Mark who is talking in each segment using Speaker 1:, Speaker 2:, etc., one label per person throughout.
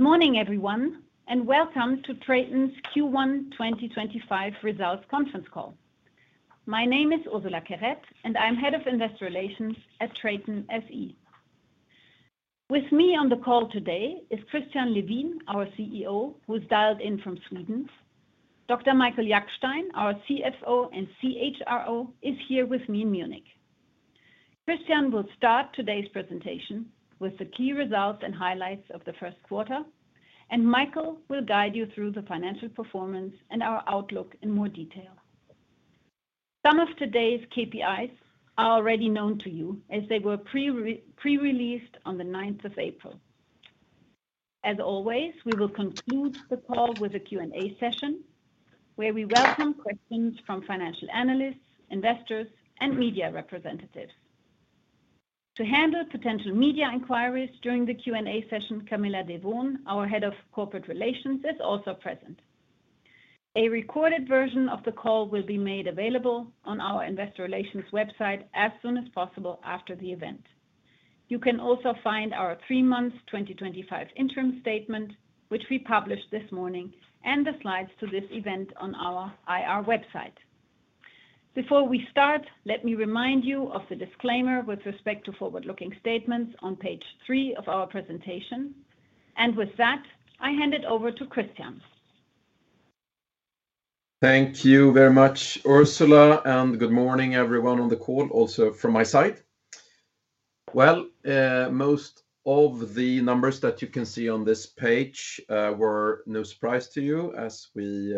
Speaker 1: Good morning, everyone, and welcome to TRATON's Q1 2025 results conference call. My name is Ursula Querette, and I'm Head of Investor Relations at TRATON SE. With me on the call today is Christian Levin, our CEO, who's dialed in from Sweden. Dr. Michael Jackstein, our CFO and CHRO, is here with me in Munich. Christian will start today's presentation with the key results and highlights of the first quarter, and Michael will guide you through the financial performance and our outlook in more detail. Some of today's KPIs are already known to you, as they were pre-released on the 9th of April. As always, we will conclude the call with a Q&A session where we welcome questions from financial analysts, investors, and media representatives. To handle potential media inquiries during the Q&A session, Camila Dewoon, our Head of Corporate Relations, is also present. A recorded version of the call will be made available on our Investor Relations website as soon as possible after the event. You can also find our three-month 2025 interim statement, which we published this morning, and the slides to this event on our IR website. Before we start, let me remind you of the disclaimer with respect to forward-looking statements on page three of our presentation. With that, I hand it over to Christian.
Speaker 2: Thank you very much, Ursula, and good morning, everyone on the call, also from my side. Most of the numbers that you can see on this page were no surprise to you, as we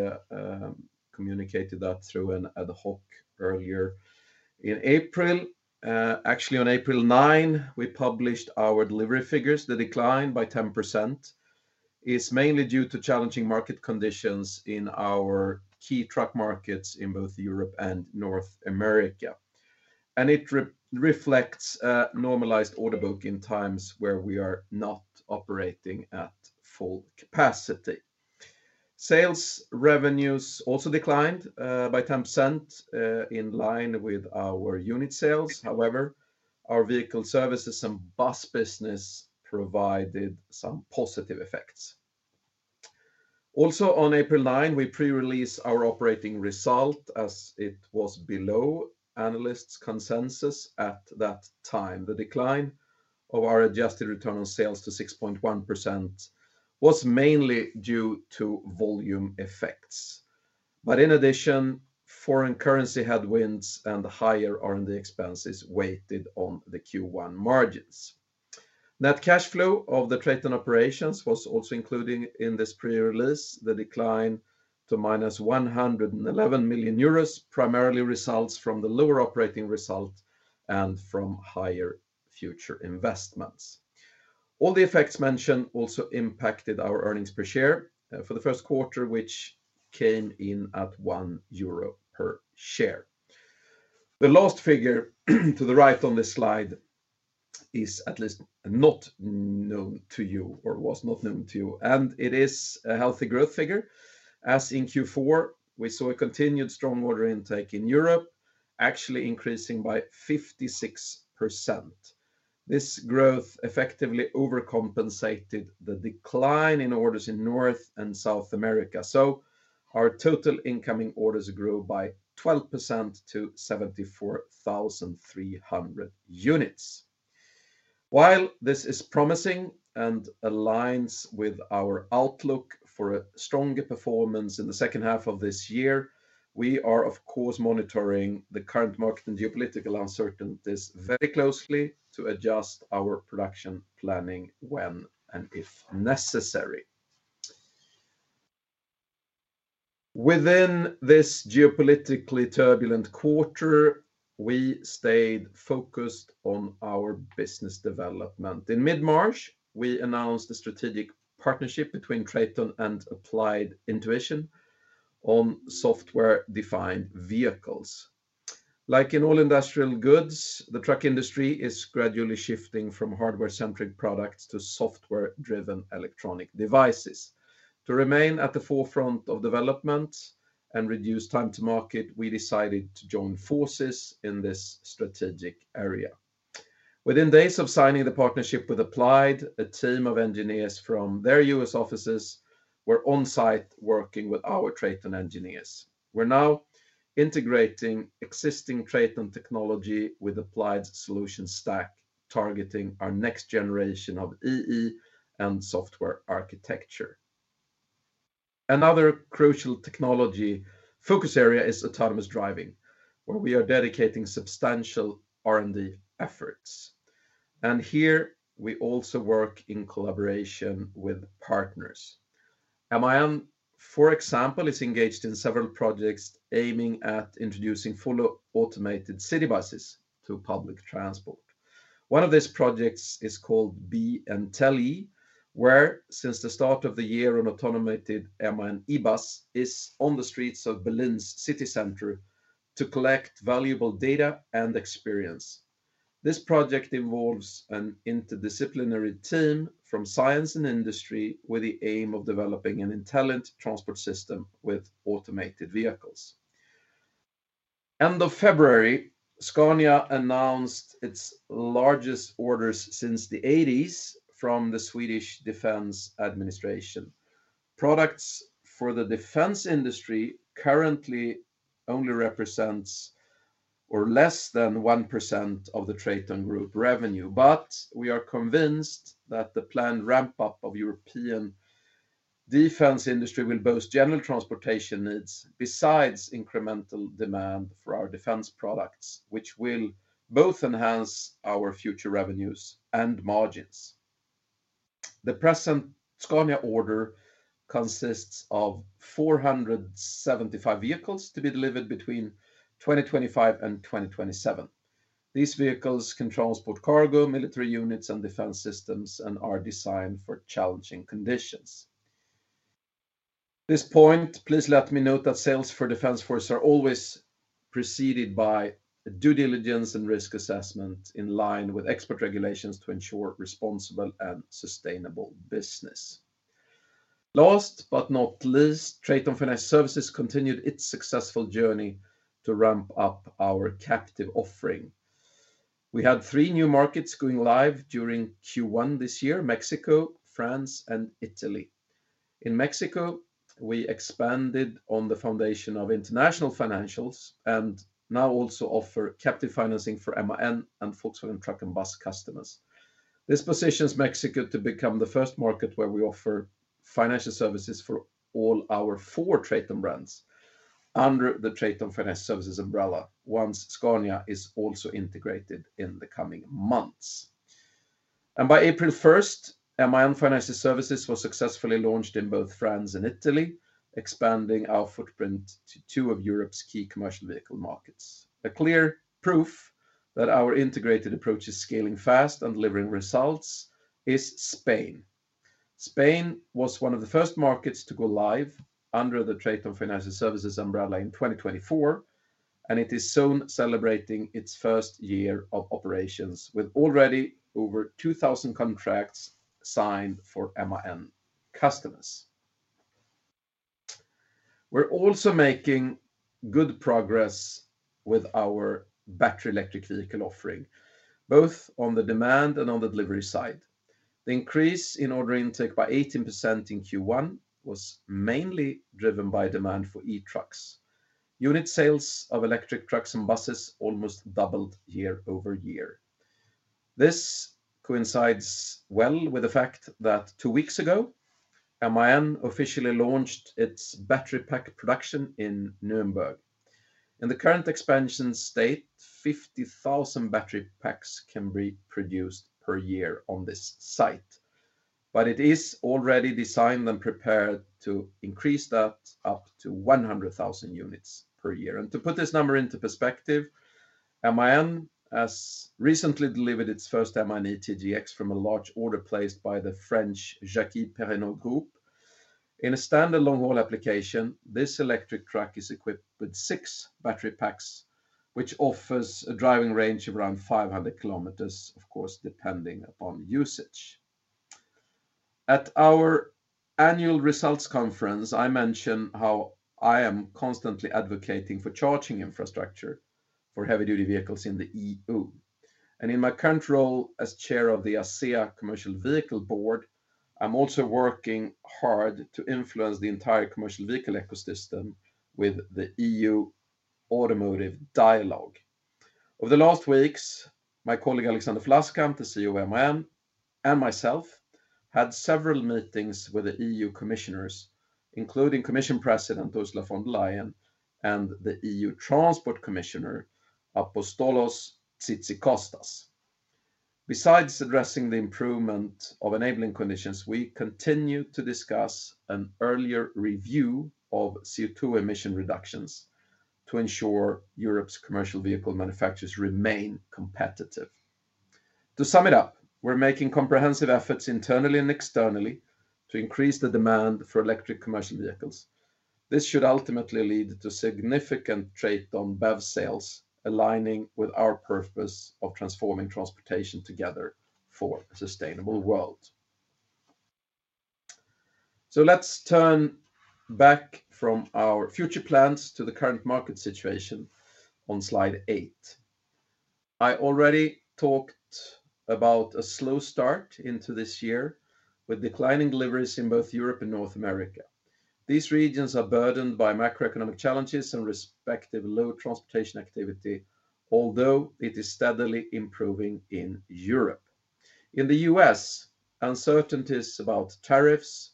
Speaker 2: communicated that through an ad hoc earlier in April. Actually, on April 9, we published our delivery figures. The decline by 10% is mainly due to challenging market conditions in our key truck markets in both Europe and North America. It reflects a normalized order book in times where we are not operating at full capacity. Sales revenues also declined by 10% in line with our unit sales. However, our vehicle services and bus business provided some positive effects. Also, on April 9, we pre-released our operating result, as it was below analysts' consensus at that time. The decline of our adjusted return on sales to 6.1% was mainly due to volume effects. In addition, foreign currency headwinds and higher R&D expenses weighed on the Q1 margins. Net cash flow of the TRATON operations was also included in this pre-release. The decline to -111 million euros primarily results from the lower operating result and from higher future investments. All the effects mentioned also impacted our earnings per share for the first quarter, which came in at 1 euro per share. The last figure to the right on this slide is at least not known to you or was not known to you, and it is a healthy growth figure. As in Q4, we saw a continued strong order intake in Europe, actually increasing by 56%. This growth effectively overcompensated the decline in orders in North and South America. Our total incoming orders grew by 12% to 74,300 units. While this is promising and aligns with our outlook for a stronger performance in the second half of this year, we are, of course, monitoring the current market and geopolitical uncertainties very closely to adjust our production planning when and if necessary. Within this geopolitically turbulent quarter, we stayed focused on our business development. In mid-March, we announced the strategic partnership between TRATON and Applied Intuition on software-defined vehicles. Like in all industrial goods, the truck industry is gradually shifting from hardware-centric products to software-driven electronic devices. To remain at the forefront of development and reduce time to market, we decided to join forces in this strategic area. Within days of signing the partnership with Applied, a team of engineers from their U.S. offices were on site working with our TRATON engineers. We're now integrating existing TRATON technology with Applied's solution stack, targeting our next generation of EE and software architecture. Another crucial technology focus area is autonomous driving, where we are dedicating substantial R&D efforts. Here, we also work in collaboration with partners. MAN, for example, is engaged in several projects aiming at introducing fully automated city buses to public transport. One of these projects is called BeIntelli, where, since the start of the year, an autonomous MAN e-bus is on the streets of Berlin's city center to collect valuable data and experience. This project involves an interdisciplinary team from science and industry with the aim of developing an intelligent transport system with automated vehicles. End of February, Scania announced its largest orders since the 1980s from the Swedish Defence Administration. Products for the defense industry currently only represent less than 1% of the TRATON Group revenue, but we are convinced that the planned ramp-up of the European defense industry will boost general transportation needs besides incremental demand for our defense products, which will both enhance our future revenues and margins. The present Scania order consists of 475 vehicles to be delivered between 2025 and 2027. These vehicles can transport cargo, military units, and defense systems and are designed for challenging conditions. At this point, please let me note that sales for defense force are always preceded by due diligence and risk assessment in line with export regulations to ensure responsible and sustainable business. Last but not least, TRATON Financial Services continued its successful journey to ramp up our captive offering. We had three new markets going live during Q1 this year: Mexico, France, and Italy. In Mexico, we expanded on the foundation of International Financials and now also offer captive financing for MAN and Volkswagen Truck & Bus customers. This positions Mexico to become the first market where we offer financial services for all our four TRATON brands under the TRATON Financial Services umbrella, once Scania is also integrated in the coming months. By April 1, MAN Financial Services was successfully launched in both France and Italy, expanding our footprint to two of Europe's key commercial vehicle markets. A clear proof that our integrated approach is scaling fast and delivering results is Spain. Spain was one of the first markets to go live under the TRATON Financial Services umbrella in 2024, and it is soon celebrating its first year of operations with already over 2,000 contracts signed for MAN customers. We're also making good progress with our battery electric vehicle offering, both on the demand and on the delivery side. The increase in order intake by 18% in Q1 was mainly driven by demand for e-trucks. Unit sales of electric trucks and buses almost doubled year over year. This coincides well with the fact that two weeks ago, MAN officially launched its battery pack production in Nuremberg. In the current expansion state, 50,000 battery packs can be produced per year on this site. It is already designed and prepared to increase that up to 100,000 units per year. To put this number into perspective, MAN has recently delivered its first MAN eTGM X from a large order placed by the French Groupe Jacky Perrenot. In a standard long-haul application, this electric truck is equipped with six battery packs, which offers a driving range of around 500 km, of course, depending upon usage. At our annual results conference, I mentioned how I am constantly advocating for charging infrastructure for heavy-duty vehicles in the EU. In my current role as Chair of the ACEA Commercial Vehicle Board, I am also working hard to influence the entire commercial vehicle ecosystem with the EU Automotive Dialogue. Over the last weeks, my colleague Alexander Flaskamp, the CEO of MAN, and myself had several meetings with the EU commissioners, including Commission President Ursula von der Leyen and the EU Transport Commissioner Apostolos Tzitzikostas. Besides addressing the improvement of enabling conditions, we continue to discuss an earlier review of CO2 emission reductions to ensure Europe's commercial vehicle manufacturers remain competitive. To sum it up, we're making comprehensive efforts internally and externally to increase the demand for electric commercial vehicles. This should ultimately lead to significant TRATON BEV sales, aligning with our purpose of transforming transportation together for a sustainable world. Let's turn back from our future plans to the current market situation on slide eight. I already talked about a slow start into this year with declining deliveries in both Europe and North America. These regions are burdened by macroeconomic challenges and respective low transportation activity, although it is steadily improving in Europe. In the U.S., uncertainties about tariffs,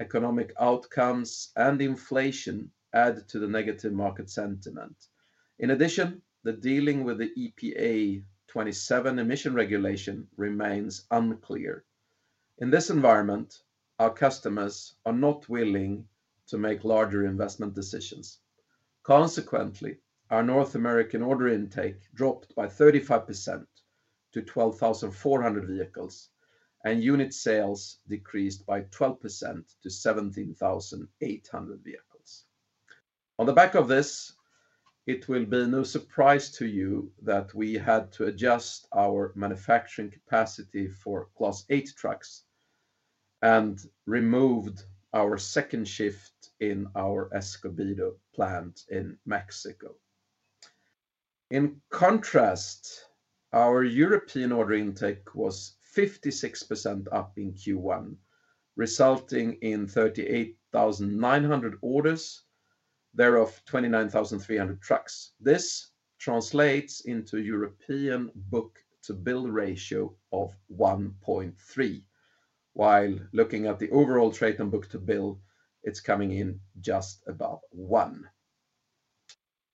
Speaker 2: economic outcomes, and inflation add to the negative market sentiment. In addition, the dealing with the EPA 2027 emission regulation remains unclear. In this environment, our customers are not willing to make larger investment decisions. Consequently, our North American order intake dropped by 35% to 12,400 vehicles, and unit sales decreased by 12% to 17,800 vehicles. On the back of this, it will be no surprise to you that we had to adjust our manufacturing capacity for Class 8 trucks and removed our second shift in our Escobedo plant in Mexico. In contrast, our European order intake was 56% up in Q1, resulting in 38,900 orders, thereof 29,300 trucks. This translates into a European book-to-bill ratio of 1.3. While looking at the overall TRATON book-to-bill, it's coming in just above one.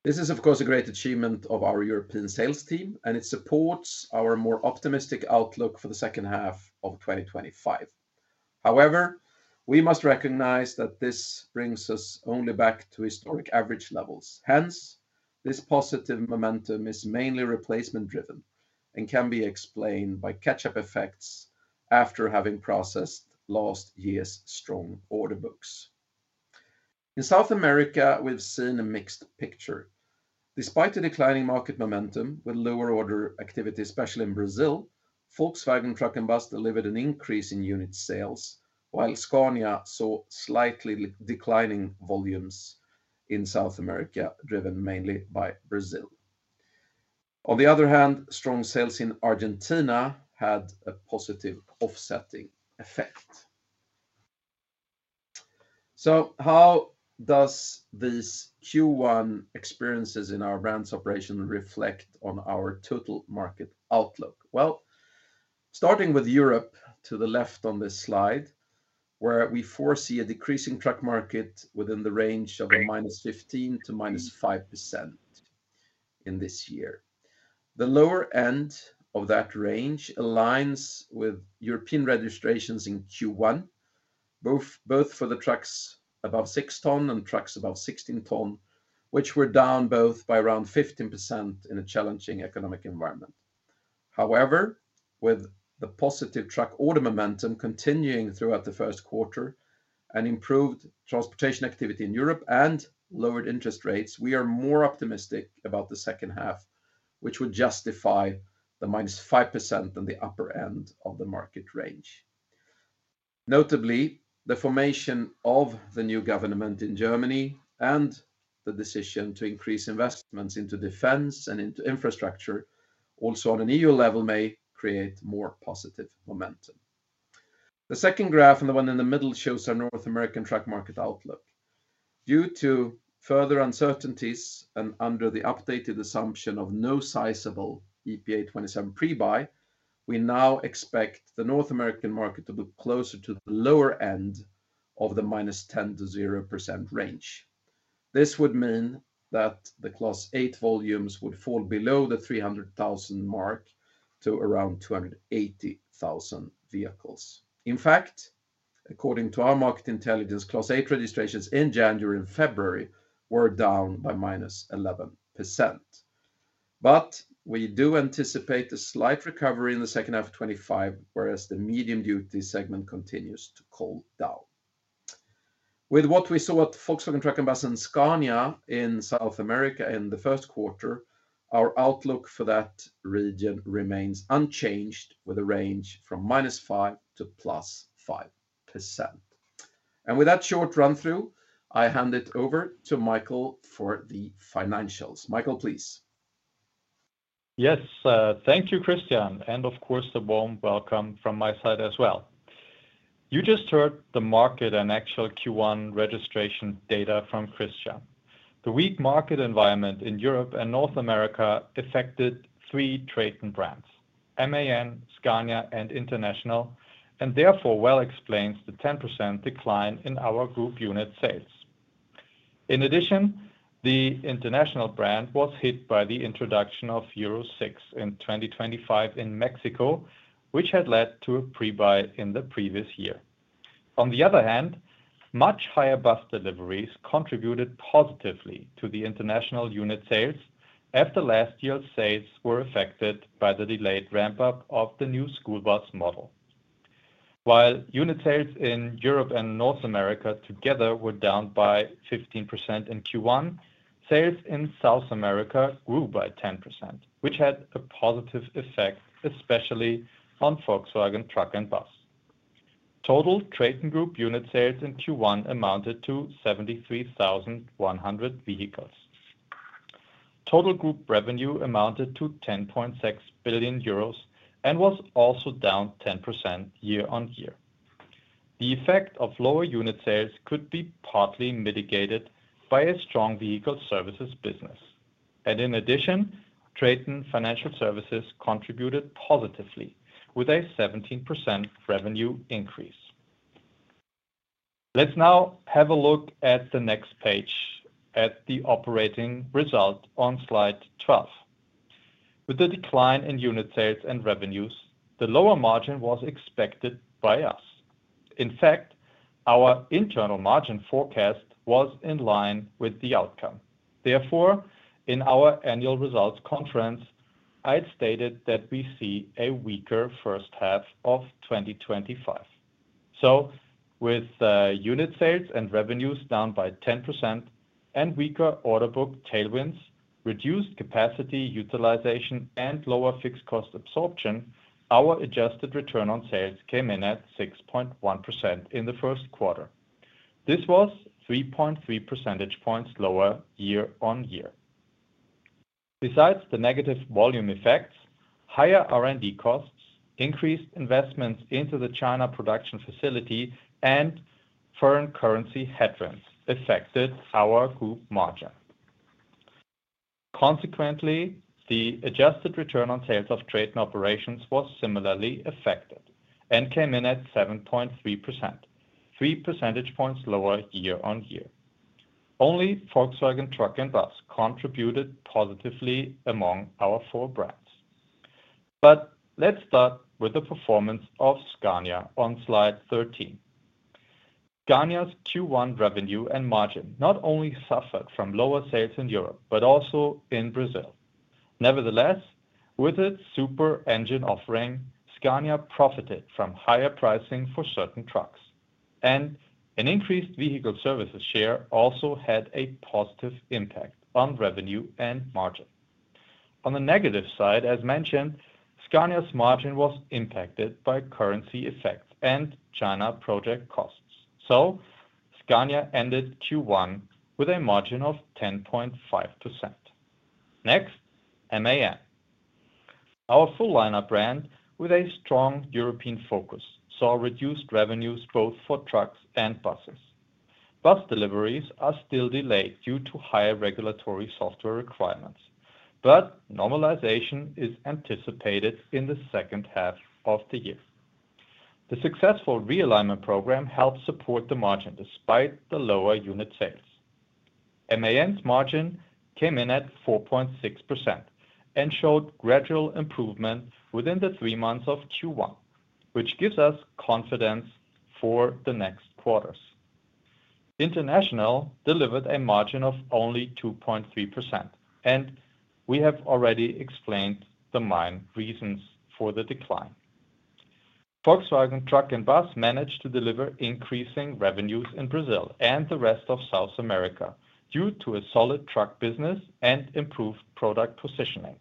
Speaker 2: This is, of course, a great achievement of our European sales team, and it supports our more optimistic outlook for the second half of 2025. However, we must recognize that this brings us only back to historic average levels. Hence, this positive momentum is mainly replacement-driven and can be explained by catch-up effects after having processed last year's strong order books. In South America, we've seen a mixed picture. Despite the declining market momentum with lower order activity, especially in Brazil, Volkswagen Truck & Bus delivered an increase in unit sales, while Scania saw slightly declining volumes in South America, driven mainly by Brazil. On the other hand, strong sales in Argentina had a positive offsetting effect. How do these Q1 experiences in our brand's operation reflect on our total market outlook? Starting with Europe to the left on this slide, where we foresee a decreasing truck market within the range of -15% to -5% in this year. The lower end of that range aligns with European registrations in Q1, both for the trucks above 6 tonnes and trucks above 16 tonnes, which were down both by around 15% in a challenging economic environment. However, with the positive truck order momentum continuing throughout the first quarter and improved transportation activity in Europe and lowered interest rates, we are more optimistic about the second half, which would justify the minus 5% on the upper end of the market range. Notably, the formation of the new government in Germany and the decision to increase investments into defense and into infrastructure also on an EU level may create more positive momentum. The second graph and the one in the middle shows our North American truck market outlook. Due to further uncertainties and under the updated assumption of no sizable EPA 27 prebuy, we now expect the North American market to look closer to the lower end of the -10% to 0% range. This would mean that the Class 8 volumes would fall below the 300,000 mark to around 280,000 vehicles. In fact, according to our market intelligence, Class 8 registrations in January and February were down by -11%. We do anticipate a slight recovery in the second half of 2025, whereas the medium-duty segment continues to cool down. With what we saw at Volkswagen Truck & Bus and Scania in South America in the first quarter, our outlook for that region remains unchanged, with a range from -5% to +5%. With that short run-through, I hand it over to Michael for the financials. Michael, please.
Speaker 3: Yes, thank you, Christian. Of course, a warm welcome from my side as well. You just heard the market and actual Q1 registration data from Christian. The weak market environment in Europe and North America affected three TRATON brands: MAN, Scania, and International, and therefore well explains the 10% decline in our group unit sales. In addition, the International brand was hit by the introduction of Euro 6 in 2025 in Mexico, which had led to a prebuy in the previous year. On the other hand, much higher bus deliveries contributed positively to the International unit sales after last year's sales were affected by the delayed ramp-up of the new school bus model. While unit sales in Europe and North America together were down by 15% in Q1, sales in South America grew by 10%, which had a positive effect, especially on Volkswagen Truck & Bus. Total TRATON Group unit sales in Q1 amounted to 73,100 vehicles. Total group revenue amounted to 10.6 billion euros and was also down 10% year-on-year. The effect of lower unit sales could be partly mitigated by a strong vehicle services business. In addition, TRATON Financial Services contributed positively with a 17% revenue increase. Let's now have a look at the next page at the operating result on slide 12. With the decline in unit sales and revenues, the lower margin was expected by us. In fact, our internal margin forecast was in line with the outcome. Therefore, in our annual results conference, I had stated that we see a weaker first half of 2025. With unit sales and revenues down by 10% and weaker order book tailwinds, reduced capacity utilization, and lower fixed cost absorption, our adjusted return on sales came in at 6.1% in the first quarter. This was 3.3 percentage points lower year-on-year. Besides the negative volume effects, higher R&D costs, increased investments into the China production facility, and foreign currency headwinds affected our group margin. Consequently, the adjusted return on sales of TRATON operations was similarly affected and came in at 7.3%, 3 percentage points lower year-on-year. Only Volkswagen Truck & Bus contributed positively among our four brands. Let's start with the performance of Scania on slide 13. Scania's Q1 revenue and margin not only suffered from lower sales in Europe, but also in Brazil. Nevertheless, with its super engine offering, Scania profited from higher pricing for certain trucks. An increased vehicle services share also had a positive impact on revenue and margin. On the negative side, as mentioned, Scania's margin was impacted by currency effects and China project costs. Scania ended Q1 with a margin of 10.5%. Next, MAN. Our full lineup brand with a strong European focus saw reduced revenues both for trucks and buses. Bus deliveries are still delayed due to higher regulatory software requirements, but normalization is anticipated in the second half of the year. The successful realignment program helped support the margin despite the lower unit sales. MAN's margin came in at 4.6% and showed gradual improvement within the three months of Q1, which gives us confidence for the next quarters. International delivered a margin of only 2.3%, and we have already explained the main reasons for the decline. Volkswagen Truck & Bus managed to deliver increasing revenues in Brazil and the rest of South America due to a solid truck business and improved product positioning.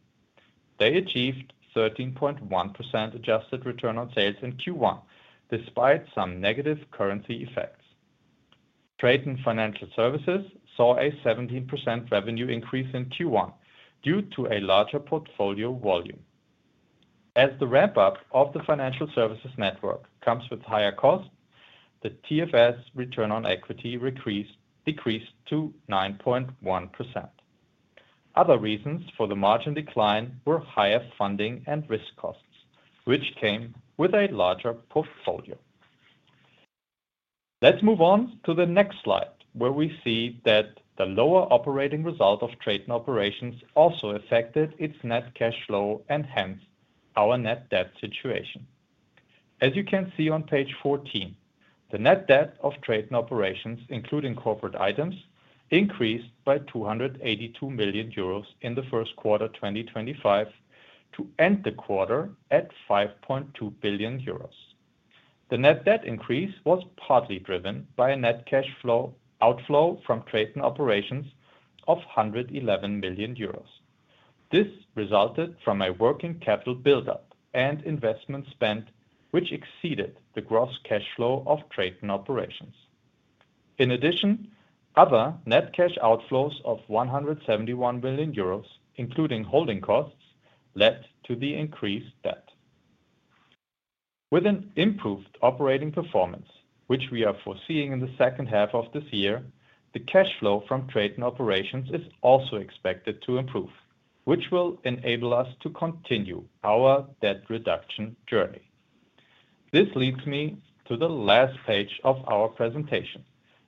Speaker 3: They achieved 13.1% adjusted return on sales in Q1 despite some negative currency effects. TRATON Financial Services saw a 17% revenue increase in Q1 due to a larger portfolio volume. As the ramp-up of the financial services network comes with higher costs, the TFS return on equity decreased to 9.1%. Other reasons for the margin decline were higher funding and risk costs, which came with a larger portfolio. Let's move on to the next slide, where we see that the lower operating result of TRATON Operations also affected its net cash flow and hence our net debt situation. As you can see on page 14, the net debt of TRATON Operations, including corporate items, increased by 282 million euros in the first quarter 2025 to end the quarter at 5.2 billion euros. The net debt increase was partly driven by a net cash flow outflow from TRATON Operations of 111 million euros. This resulted from a working capital buildup and investment spent, which exceeded the gross cash flow of TRATON Operations. In addition, other net cash outflows of 171 million euros, including holding costs, led to the increased debt. With an improved operating performance, which we are foreseeing in the second half of this year, the cash flow from TRATON Operations is also expected to improve, which will enable us to continue our debt reduction journey. This leads me to the last page of our presentation,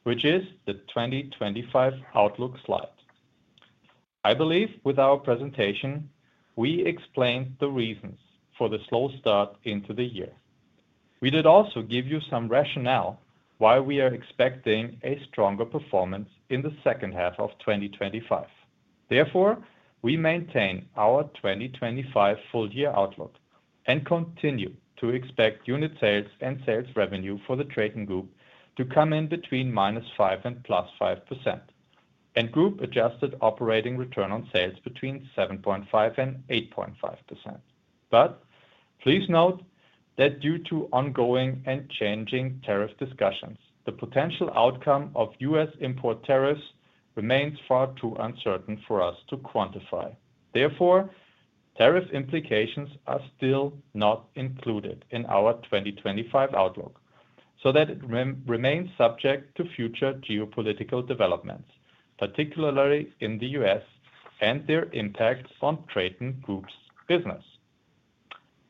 Speaker 3: which is the 2025 outlook slide. I believe with our presentation, we explained the reasons for the slow start into the year. We did also give you some rationale why we are expecting a stronger performance in the second half of 2025. Therefore, we maintain our 2025 full year outlook and continue to expect unit sales and sales revenue for the TRATON Group to come in between -5% and +5%, and group-adjusted operating return on sales between 7.5% and 8.5%. Please note that due to ongoing and changing tariff discussions, the potential outcome of U.S. import tariffs remains far too uncertain for us to quantify. Therefore, tariff implications are still not included in our 2025 outlook, so that it remains subject to future geopolitical developments, particularly in the U.S. and their impact on TRATON Group's business.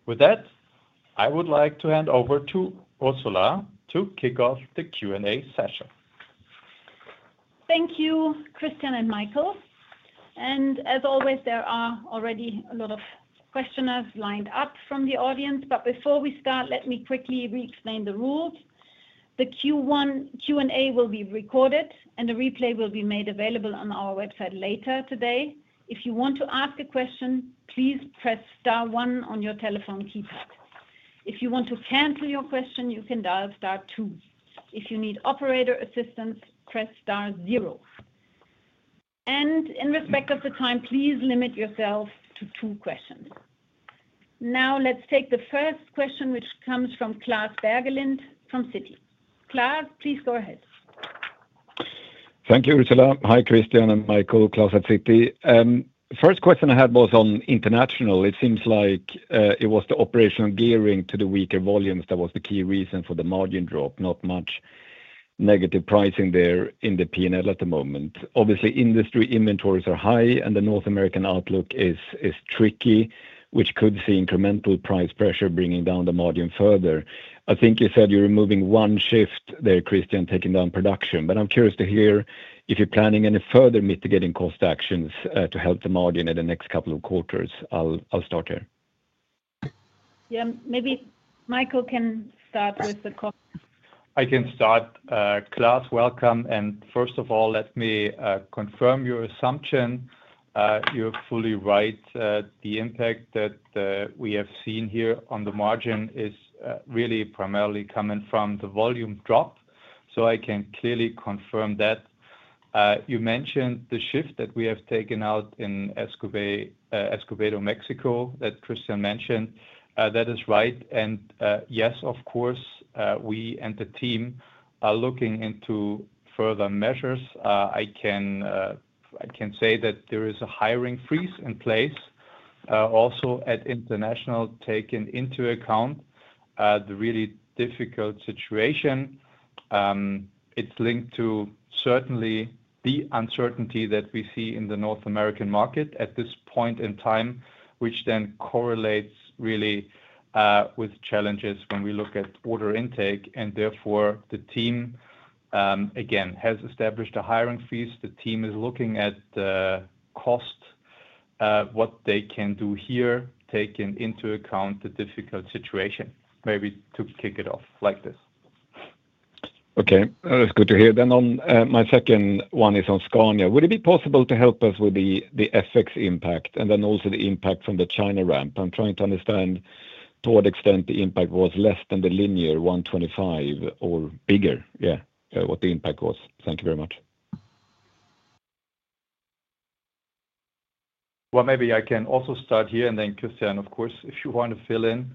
Speaker 3: With that, I would like to hand over to Ursula to kick off the Q&A session.
Speaker 1: Thank you, Christian and Michael. As always, there are already a lot of questioners lined up from the audience. Before we start, let me quickly re-explain the rules. The Q&A will be recorded, and the replay will be made available on our website later today. If you want to ask a question, please press star one on your telephone keypad. If you want to cancel your question, you can dial star two. If you need operator assistance, press star zero. In respect of the time, please limit yourself to two questions. Now let's take the first question, which comes from Klas Bergelind from Citi. Klas, please go ahead.
Speaker 4: Thank you, Ursula. Hi, Christian and Michael, Klas at Citi. First question I had was on International. It seems like it was the operational gearing to the weaker volumes that was the key reason for the margin drop, not much negative pricing there in the P&L at the moment. Obviously, industry inventories are high, and the North American outlook is tricky, which could see incremental price pressure bringing down the margin further. I think you said you're removing one shift there, Christian, taking down production. I'm curious to hear if you're planning any further mitigating cost actions to help the margin in the next couple of quarters. I'll start here.
Speaker 1: Yeah, maybe Michael can start with the comment.
Speaker 3: I can start. Klas, welcome. First of all, let me confirm your assumption. You're fully right. The impact that we have seen here on the margin is really primarily coming from the volume drop. I can clearly confirm that. You mentioned the shift that we have taken out in Escobedo, Mexico, that Christian mentioned. That is right. Yes, of course, we and the team are looking into further measures. I can say that there is a hiring freeze in place, also at International, taken into account the really difficult situation. It is linked to certainly the uncertainty that we see in the North American market at this point in time, which then correlates really with challenges when we look at order intake. Therefore, the team, again, has established a hiring freeze. The team is looking at the cost, what they can do here, taking into account the difficult situation, maybe to kick it off like this.
Speaker 4: Okay, that is good to hear. My second one is on Scania. Would it be possible to help us with the FX impact and then also the impact from the China ramp? I'm trying to understand to what extent the impact was less than the linear 125 or bigger, yeah, what the impact was. Thank you very much.
Speaker 3: Maybe I can also start here. Christian, of course, if you want to fill in,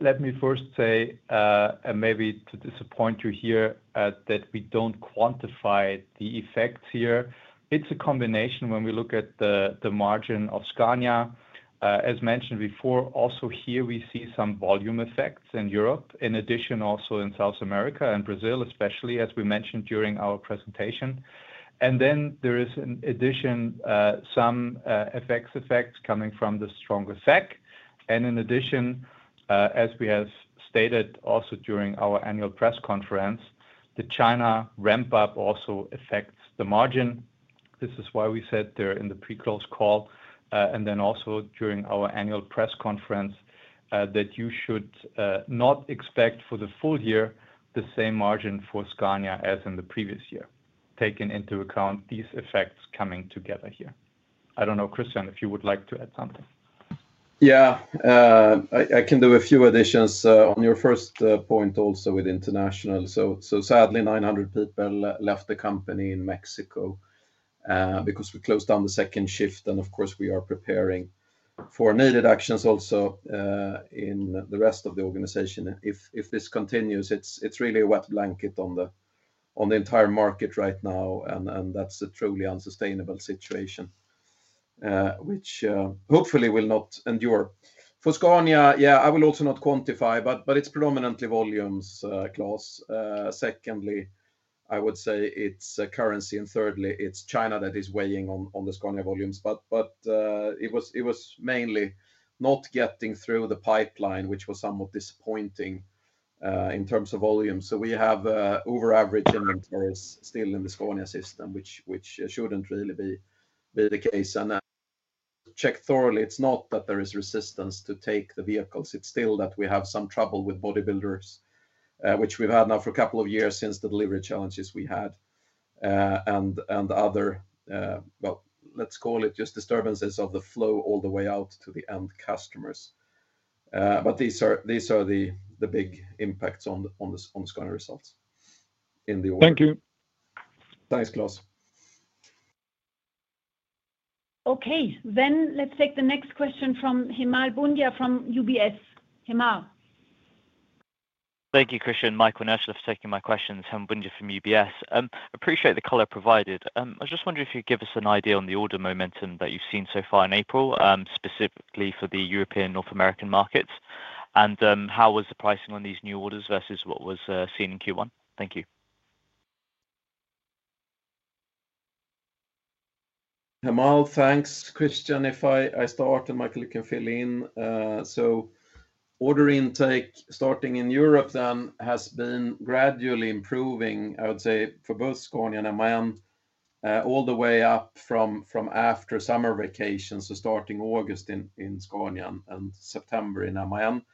Speaker 3: let me first say, and maybe to disappoint you here, that we do not quantify the effects here. It is a combination when we look at the margin of Scania. As mentioned before, also here we see some volume effects in Europe, in addition also in South America and Brazil, especially, as we mentioned during our presentation. There is, in addition, some FX effects coming from the stronger SEK. In addition, as we have stated also during our annual press conference, the China ramp-up also affects the margin. This is why we said there in the pre-close call, and then also during our annual press conference, that you should not expect for the full year the same margin for Scania as in the previous year, taking into account these effects coming together here. I don't know, Christian, if you would like to add something.
Speaker 2: Yeah, I can do a few additions on your first point also with International. Sadly, 900 people left the company in Mexico because we closed down the second shift. Of course, we are preparing for needed actions also in the rest of the organization. If this continues, it's really a wet blanket on the entire market right now. That's a truly unsustainable situation, which hopefully will not endure. For Scania, yeah, I will also not quantify, but it's predominantly volumes, Klas. Secondly, I would say it's currency. Thirdly, it is China that is weighing on the Scania volumes. It was mainly not getting through the pipeline, which was somewhat disappointing in terms of volume. We have over-average inventories still in the Scania system, which should not really be the case. Check thoroughly, it is not that there is resistance to take the vehicles. It is still that we have some trouble with bodybuilders, which we have had now for a couple of years since the delivery challenges we had. Other, just disturbances of the flow all the way out to the end customers. These are the big impacts on the Scania results in the order.
Speaker 4: Thank you.
Speaker 2: Thanks, Klas.
Speaker 1: Okay, let us take the next question from Hemal Bhundia from UBS. Hemal.
Speaker 5: Thank you, Christian, Michael and Ursula for taking my questions. Hemal Bhundia from UBS. Appreciate the color provided. I was just wondering if you could give us an idea on the order momentum that you've seen so far in April, specifically for the European North American markets. How was the pricing on these new orders versus what was seen in Q1? Thank you.
Speaker 2: Hemal, thanks. Christian, if I start and Michael can fill in. Order intake starting in Europe then has been gradually improving, I would say, for both Scania and MAN, all the way up from after summer vacation. Starting August in Scania and September in MAN.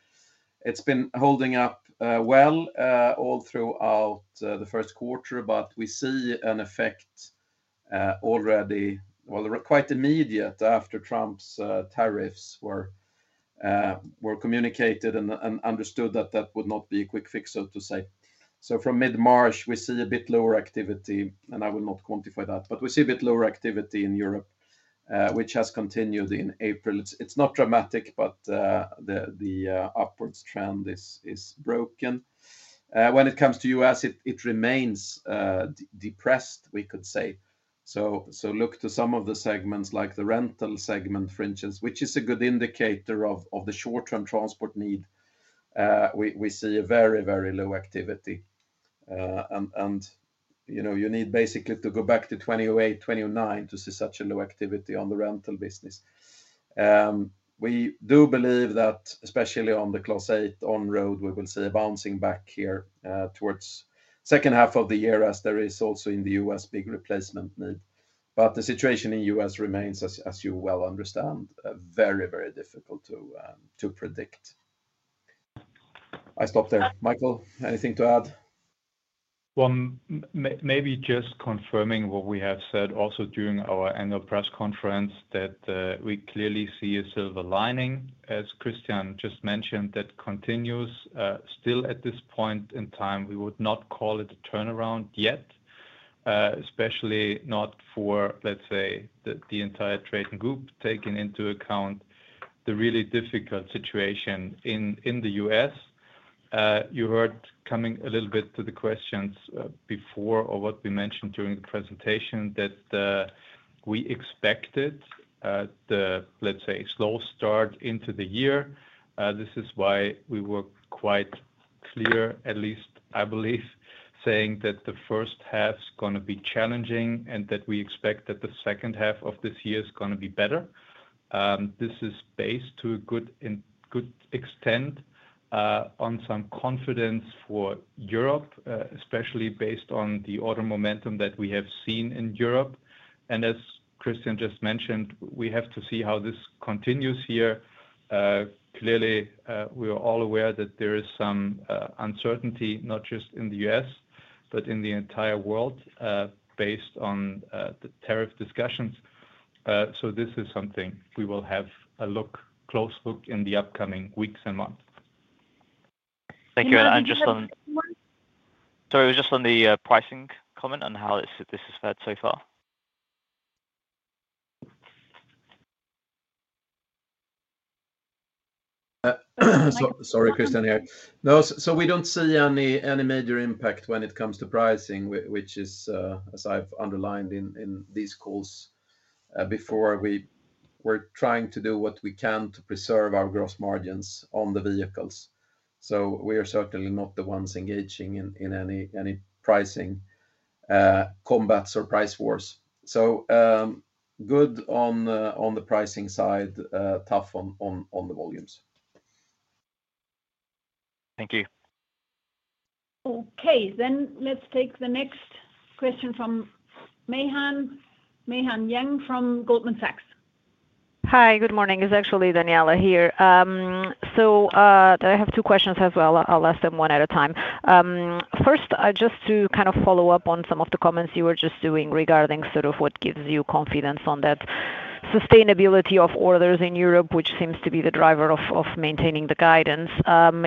Speaker 2: It's been holding up well all throughout the first quarter, but we see an effect already, quite immediate after Trump's tariffs were communicated and understood that that would not be a quick fix, so to say. From mid-March, we see a bit lower activity, and I will not quantify that, but we see a bit lower activity in Europe, which has continued in April. It's not dramatic, but the upwards trend is broken. When it comes to the U.S., it remains depressed, we could say. Look to some of the segments like the rental segment, for instance, which is a good indicator of the short-term transport need. We see a very, very low activity. You need basically to go back to 2008, 2009 to see such a low activity on the rental business. We do believe that, especially on the Class 8 on road, we will see a bouncing back here towards the second half of the year as there is also in the U.S. big replacement need. The situation in the U.S. remains, as you well understand, very, very difficult to predict. I stopped there. Michael, anything to add?
Speaker 3: Maybe just confirming what we have said also during our annual press conference that we clearly see a silver lining, as Christian just mentioned, that continues still at this point in time. We would not call it a turnaround yet, especially not for, let's say, the entire TRATON Group, taking into account the really difficult situation in the U.S. You heard coming a little bit to the questions before or what we mentioned during the presentation that we expected the, let's say, slow start into the year. This is why we were quite clear, at least I believe, saying that the first half is going to be challenging and that we expect that the second half of this year is going to be better. This is based to a good extent on some confidence for Europe, especially based on the order momentum that we have seen in Europe. As Christian just mentioned, we have to see how this continues here. Clearly, we are all aware that there is some uncertainty, not just in the U.S., but in the entire world based on the tariff discussions. This is something we will have a close look at in the upcoming weeks and months.
Speaker 5: Thank you. Just on, sorry, it was just on the pricing comment and how this has fared so far.
Speaker 2: Sorry, Christian here. No, we do not see any major impact when it comes to pricing, which is, as I have underlined in these calls before, we are trying to do what we can to preserve our gross margins on the vehicles. We are certainly not the ones engaging in any pricing combats or price wars. Good on the pricing side, tough on the volumes.
Speaker 5: Thank you.
Speaker 1: Okay, let's take the next question from Meihan Yang from Goldman Sachs. Hi, good morning. It's actually Daniela here. I have two questions as well. I'll ask them one at a time. First, just to kind of follow up on some of the comments you were just doing regarding sort of what gives you confidence on that sustainability of orders in Europe, which seems to be the driver of maintaining the guidance.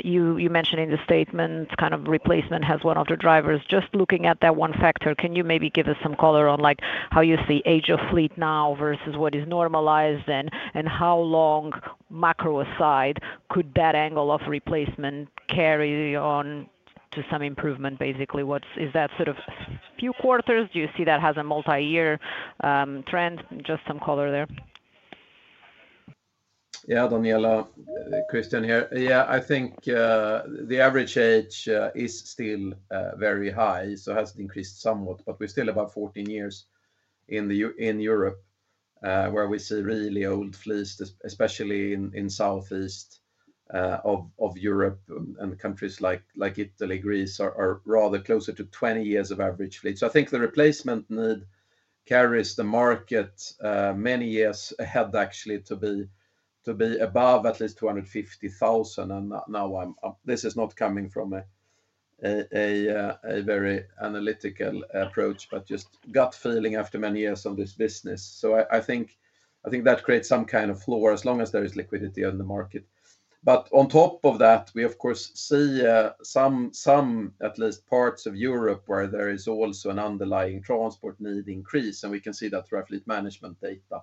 Speaker 1: You mentioned in the statement kind of replacement as one of the drivers. Just looking at that one factor, can you maybe give us some color on how you see age of fleet now versus what is normalized and how long, macro aside, could that angle of replacement carry on to some improvement, basically? Is that sort of a few quarters? Do you see that has a multi-year trend? Just some color there.
Speaker 2: Yeah, Daniela, Christian here. Yeah, I think the average age is still very high, so it has increased somewhat, but we're still about 14 years in Europe where we see really old fleets, especially in southeast of Europe and countries like Italy, Greece, are rather closer to 20 years of average fleet. I think the replacement need carries the market many years ahead, actually, to be above at least 250,000. This is not coming from a very analytical approach, but just gut feeling after many years on this business. I think that creates some kind of floor as long as there is liquidity on the market. On top of that, we, of course, see some, at least parts of Europe, where there is also an underlying transport need increase. We can see that through our fleet management data.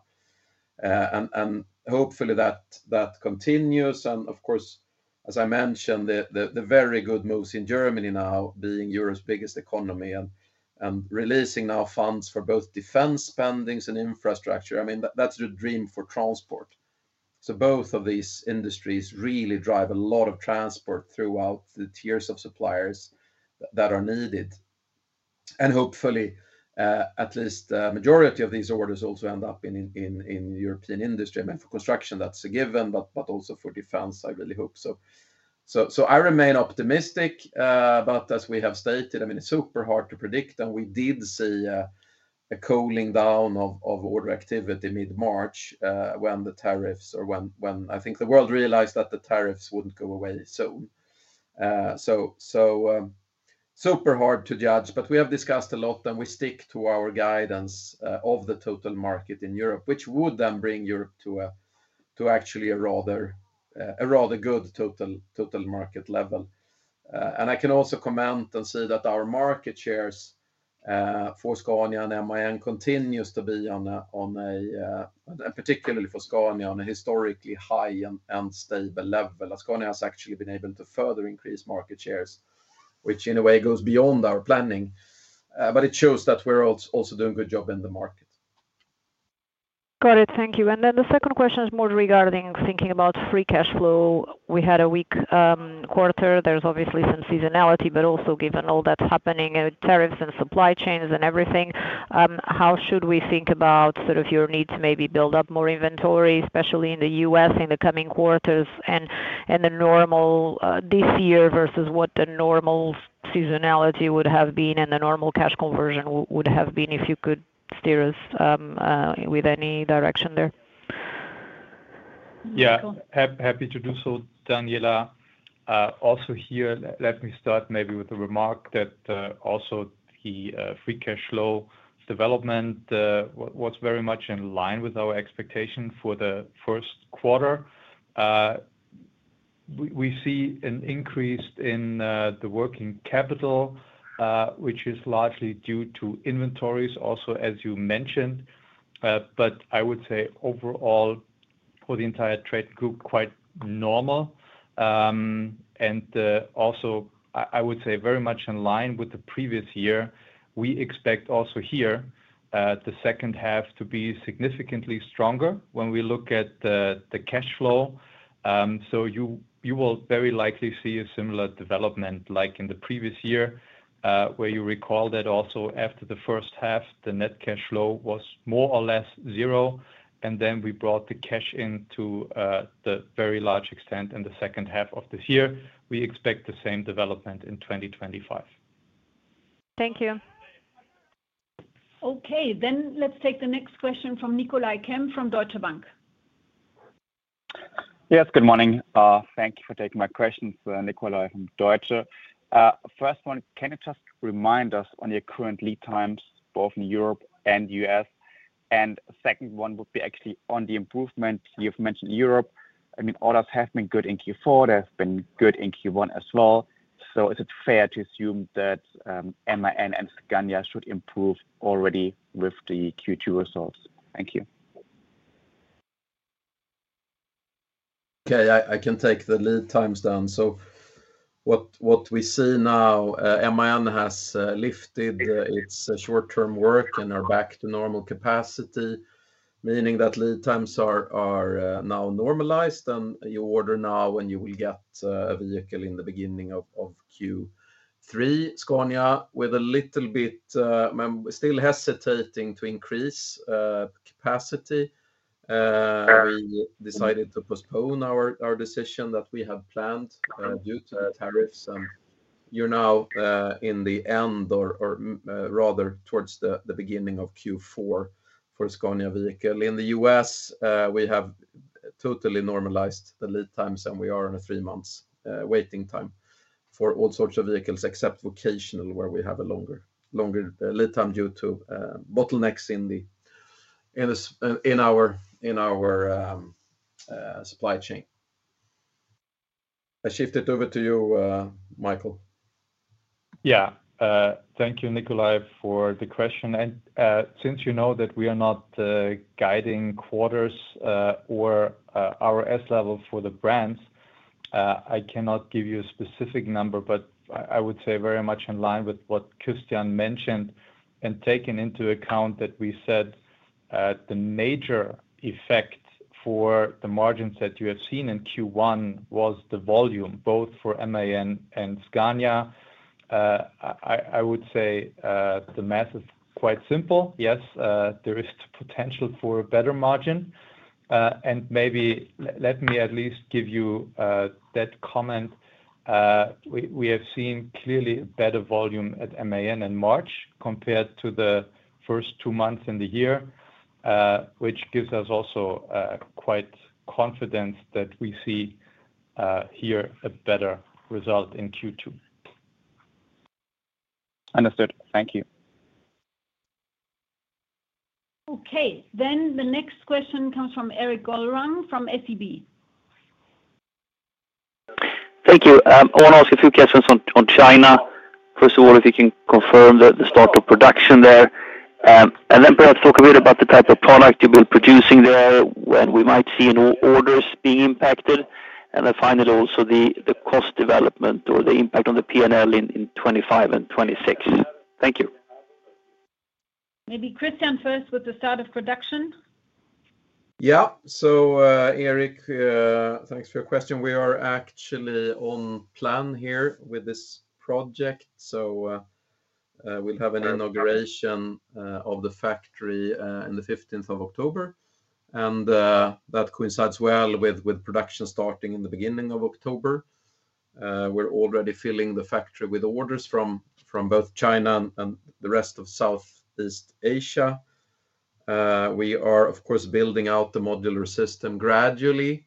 Speaker 2: Hopefully that continues. I mean, as I mentioned, the very good moves in Germany now, being Europe's biggest economy, and releasing now funds for both defense spendings and infrastructure. I mean, that's the dream for transport. Both of these industries really drive a lot of transport throughout the tiers of suppliers that are needed. Hopefully, at least the majority of these orders also end up in European industry. I mean, for construction, that's a given, but also for defense, I really hope so. I remain optimistic, but as we have stated, I mean, it's super hard to predict. We did see a cooling down of order activity mid-March when the tariffs, or when I think the world realized that the tariffs wouldn't go away soon. It's super hard to judge, but we have discussed a lot, and we stick to our guidance of the total market in Europe, which would then bring Europe to actually a rather good total market level. I can also comment and say that our market shares for Scania and MAN continues to be on a, particularly for Scania, on a historically high and stable level. Scania has actually been able to further increase market shares, which in a way goes beyond our planning. It shows that we're also doing a good job in the market. Got it. Thank you. The second question is more regarding thinking about free cash flow. We had a weak quarter. There's obviously some seasonality, but also given all that's happening with tariffs and supply chains and everything, how should we think about sort of your need to maybe build up more inventory, especially in the U.S. in the coming quarters and the normal this year versus what the normal seasonality would have been and the normal cash conversion would have been if you could steer us with any direction there?
Speaker 3: Yeah, happy to do so, Daniela. Also here, let me start maybe with a remark that also the free cash flow development was very much in line with our expectation for the first quarter. We see an increase in the working capital, which is largely due to inventories also, as you mentioned. I would say overall, for the entire TRATON Group, quite normal. I would say very much in line with the previous year. We expect also here the second half to be significantly stronger when we look at the cash flow. You will very likely see a similar development like in the previous year, where you recall that also after the first half, the net cash flow was more or less zero. We brought the cash in to the very large extent in the second half of this year. We expect the same development in 2025. Thank you.
Speaker 1: Okay, let's take the next question from Nicolai Kempf from Deutsche Bank.
Speaker 6: Yes, good morning. Thank you for taking my questions, Nicolai from Deutsche. First one, can you just remind us on your current lead times, both in Europe and U.S.? Second one would be actually on the improvement. You've mentioned Europe. I mean, orders have been good in Q4. They've been good in Q1 as well. Is it fair to assume that MAN and Scania should improve already with the Q2 results? Thank you.
Speaker 2: Okay, I can take the lead times down. What we see now, MAN has lifted its short-term work and are back to normal capacity, meaning that lead times are now normalized. You order now, and you will get a vehicle in the beginning of Q3. Scania, with a little bit, we're still hesitating to increase capacity. We decided to postpone our decision that we had planned due to the tariffs. You are now in the end, or rather towards the beginning of Q4 for Scania vehicle. In the U.S., we have totally normalized the lead times, and we are on a three-month waiting time for all sorts of vehicles except vocational, where we have a longer lead time due to bottlenecks in our supply chain. I shift it over to you, Michael.
Speaker 3: Yeah, thank you, Nicolai, for the question. Since you know that we are not guiding quarters or RS level for the brands, I cannot give you a specific number, but I would say very much in line with what Christian mentioned and taken into account that we said the major effect for the margins that you have seen in Q1 was the volume, both for MAN and Scania. I would say the math is quite simple. Yes, there is potential for a better margin. Maybe let me at least give you that comment. We have seen clearly better volume at MAN in March compared to the first two months in the year, which gives us also quite confidence that we see here a better result in Q2.
Speaker 6: Understood. Thank you.
Speaker 1: Okay, the next question comes from Erik Golrang from SEB.
Speaker 7: Thank you. I want to ask a few questions on China. First of all, if you can confirm the start of production there. And then perhaps talk a bit about the type of product you've been producing there, when we might see orders being impacted. I find it also the cost development or the impact on the P&L in 2025 and 2026. Thank you.
Speaker 1: Maybe Christian first with the start of production.
Speaker 2: Yeah, Erik, thanks for your question. We are actually on plan here with this project. We will have an inauguration of the factory on the 15th of October. That coincides well with production starting in the beginning of October. We are already filling the factory with orders from both China and the rest of Southeast Asia. We are, of course, building out the modular system gradually,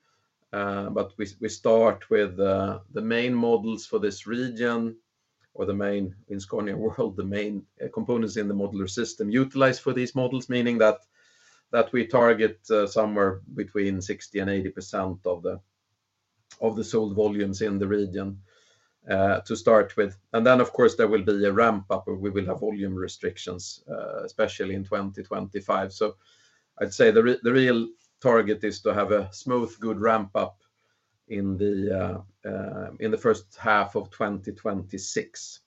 Speaker 2: but we start with the main models for this region or the main in Scania world, the main components in the modular system utilized for these models, meaning that we target somewhere between 60%-80% of the sold volumes in the region to start with. There will be a ramp-up or we will have volume restrictions, especially in 2025. I would say the real target is to have a smooth, good ramp-up in the first half of 2026.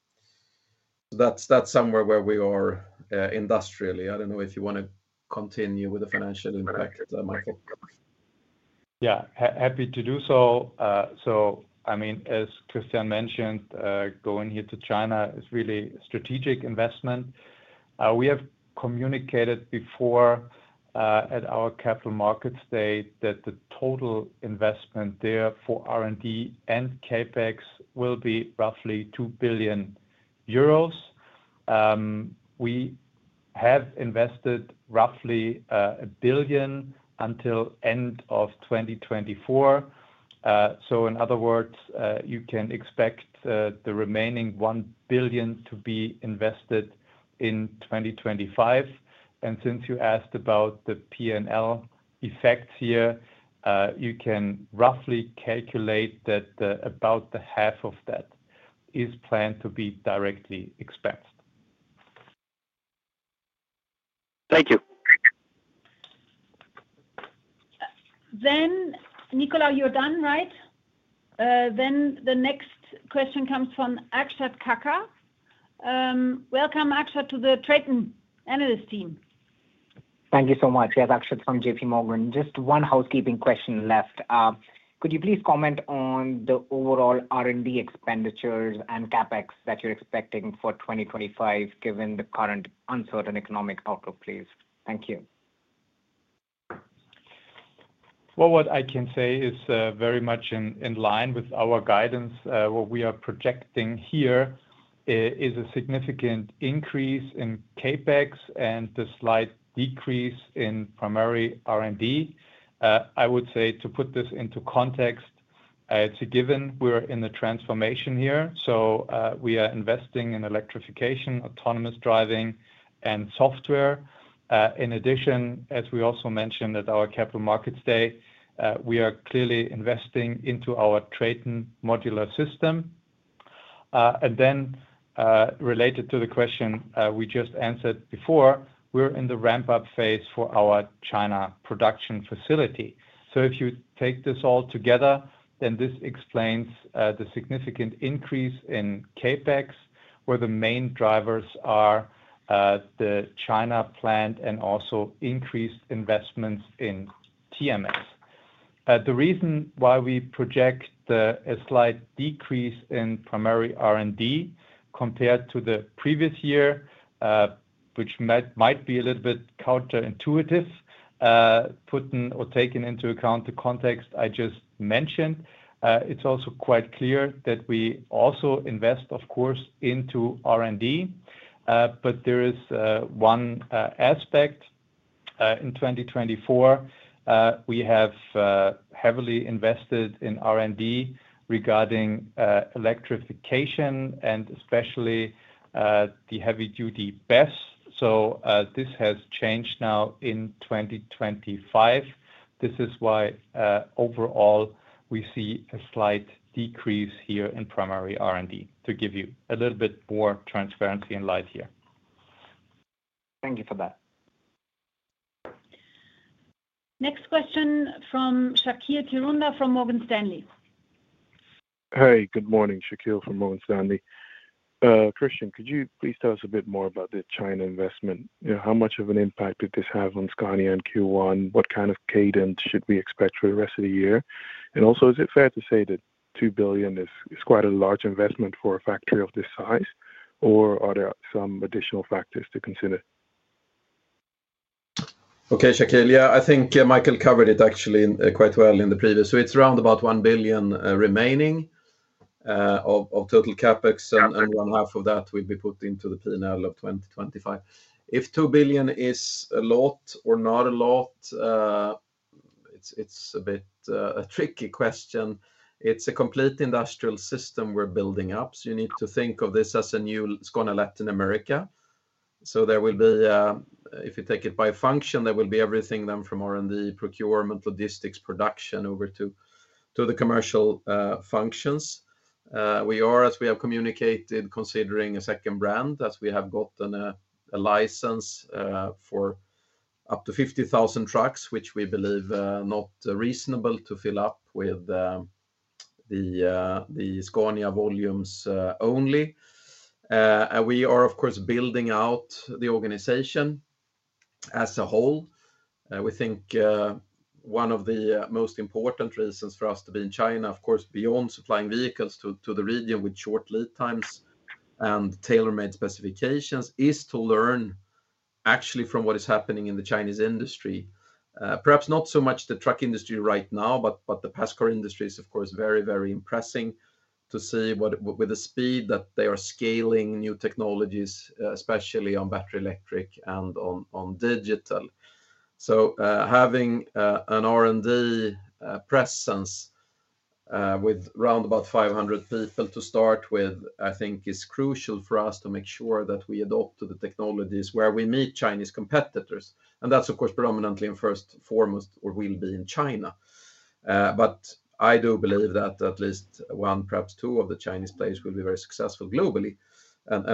Speaker 2: That is somewhere where we are industrially. I don't know if you want to continue with the financial impact, Michael.
Speaker 3: Yeah, happy to do so. I mean, as Christian mentioned, going here to China is really a strategic investment. We have communicated before at our capital markets day that the total investment there for R&D and CapEx will be roughly 2 billion euros. We have invested roughly 1 billion until the end of 2024. In other words, you can expect the remaining 1 billion to be invested in 2025. Since you asked about the P&L effects here, you can roughly calculate that about half of that is planned to be directly expensed.
Speaker 7: Thank you.
Speaker 1: Nicolai, you're done, right? The next question comes from Akshat Kacker. Welcome, Akshat, to the TRATON analyst team.
Speaker 8: Thank you so much. That's from JPMorgan. Just one housekeeping question left. Could you please comment on the overall R&D expenditures and CapEx that you're expecting for 2025, given the current uncertain economic outlook, please? Thank you.
Speaker 3: What I can say is very much in line with our guidance. What we are projecting here is a significant increase in CapEx and a slight decrease in primary R&D. I would say to put this into context, it's a given we're in the transformation here. We are investing in electrification, autonomous driving, and software. In addition, as we also mentioned at our capital markets day, we are clearly investing into our TRATON Modular System. Related to the question we just answered before, we're in the ramp-up phase for our China production facility. If you take this all together, then this explains the significant increase in CapEx, where the main drivers are the China plant and also increased investments in TMS. The reason why we project a slight decrease in primary R&D compared to the previous year, which might be a little bit counterintuitive, taken into account the context I just mentioned, it's also quite clear that we also invest, of course, into R&D. There is one aspect. In 2024, we have heavily invested in R&D regarding electrification and especially the heavy-duty BESS. This has changed now in 2025. This is why overall we see a slight decrease here in primary R&D, to give you a little bit more transparency and light here.
Speaker 8: Thank you for that.
Speaker 1: Next question from Shaqeal Kirunda from Morgan Stanley.
Speaker 9: Hey, good morning. Shaqeal from Morgan Stanley. Christian, could you please tell us a bit more about the China investment? How much of an impact did this have on Scania and Q1? What kind of cadence should we expect for the rest of the year? Is it fair to say that 2 billion is quite a large investment for a factory of this size? Are there some additional factors to consider?
Speaker 2: Okay, Shaqeal, yeah, I think Michael covered it actually quite well in the previous. It is around about 1 billion remaining of total CapEx, and one half of that will be put into the P&L of 2025. If 2 billion is a lot or not a lot, it is a bit a tricky question. It is a complete industrial system we are building up. You need to think of this as a new Scania Latin America. If you take it by function, there will be everything then from R&D, procurement, logistics, production over to the commercial functions. We are, as we have communicated, considering a second brand as we have gotten a license for up to 50,000 trucks, which we believe not reasonable to fill up with the Scania volumes only. We are, of course, building out the organization as a whole. We think one of the most important reasons for us to be in China, of course, beyond supplying vehicles to the region with short lead times and tailor-made specifications, is to learn actually from what is happening in the Chinese industry. Perhaps not so much the truck industry right now, but the PACCAR industry is, of course, very, very impressing to see with the speed that they are scaling new technologies, especially on battery electric and on digital. Having an R&D presence with around about 500 people to start with, I think, is crucial for us to make sure that we adapt to the technologies where we meet Chinese competitors. That is, of course, predominantly and first foremost, or will be in China. I do believe that at least one, perhaps two of the Chinese players will be very successful globally.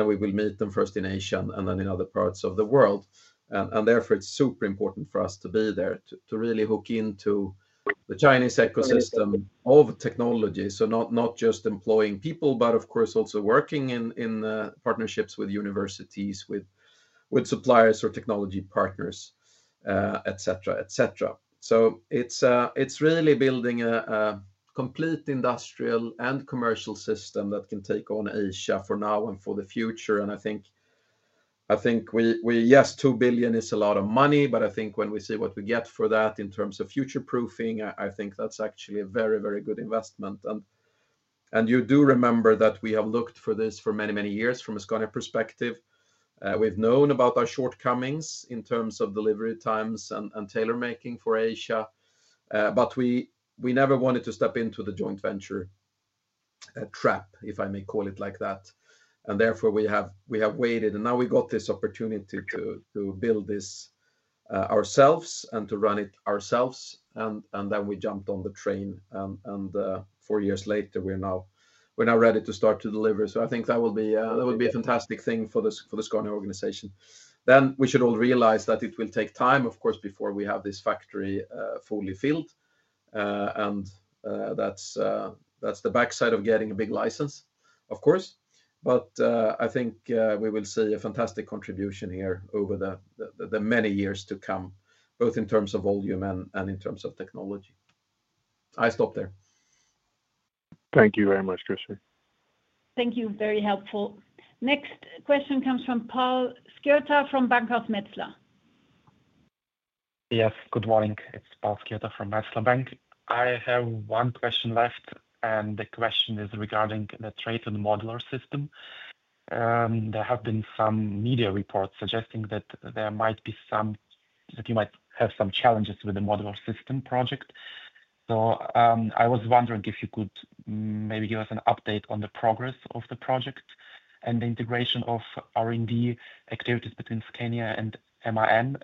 Speaker 2: We will meet them first in Asia and then in other parts of the world. Therefore, it is super important for us to be there to really hook into the Chinese ecosystem of technology. Not just employing people, but of course, also working in partnerships with universities, with suppliers or technology partners, etc., etc. It is really building a complete industrial and commercial system that can take on Asia for now and for the future. I think, yes, 2 billion is a lot of money, but I think when we see what we get for that in terms of future-proofing, I think that's actually a very, very good investment. You do remember that we have looked for this for many, many years from a Scania perspective. We've known about our shortcomings in terms of delivery times and tailor-making for Asia. We never wanted to step into the joint venture trap, if I may call it like that. Therefore, we have waited. Now we got this opportunity to build this ourselves and to run it ourselves. We jumped on the train. Four years later, we're now ready to start to deliver. I think that will be a fantastic thing for the Scania organization. We should all realize that it will take time, of course, before we have this factory fully filled. That is the backside of getting a big license, of course. I think we will see a fantastic contribution here over the many years to come, both in terms of volume and in terms of technology. I'll stop there.
Speaker 9: Thank you very much, Christian. Thank you. Very helpful. Next question comes from Pal Skirta from Bankhaus Metzler.
Speaker 10: Yes, good morning. It's Pal Skirta from Metzler Bank. I have one question left. The question is regarding the TRATON Modular System. There have been some media reports suggesting that you might have some challenges with the Modular System project. I was wondering if you could maybe give us an update on the progress of the project and the integration of R&D activities between Scania and MAN.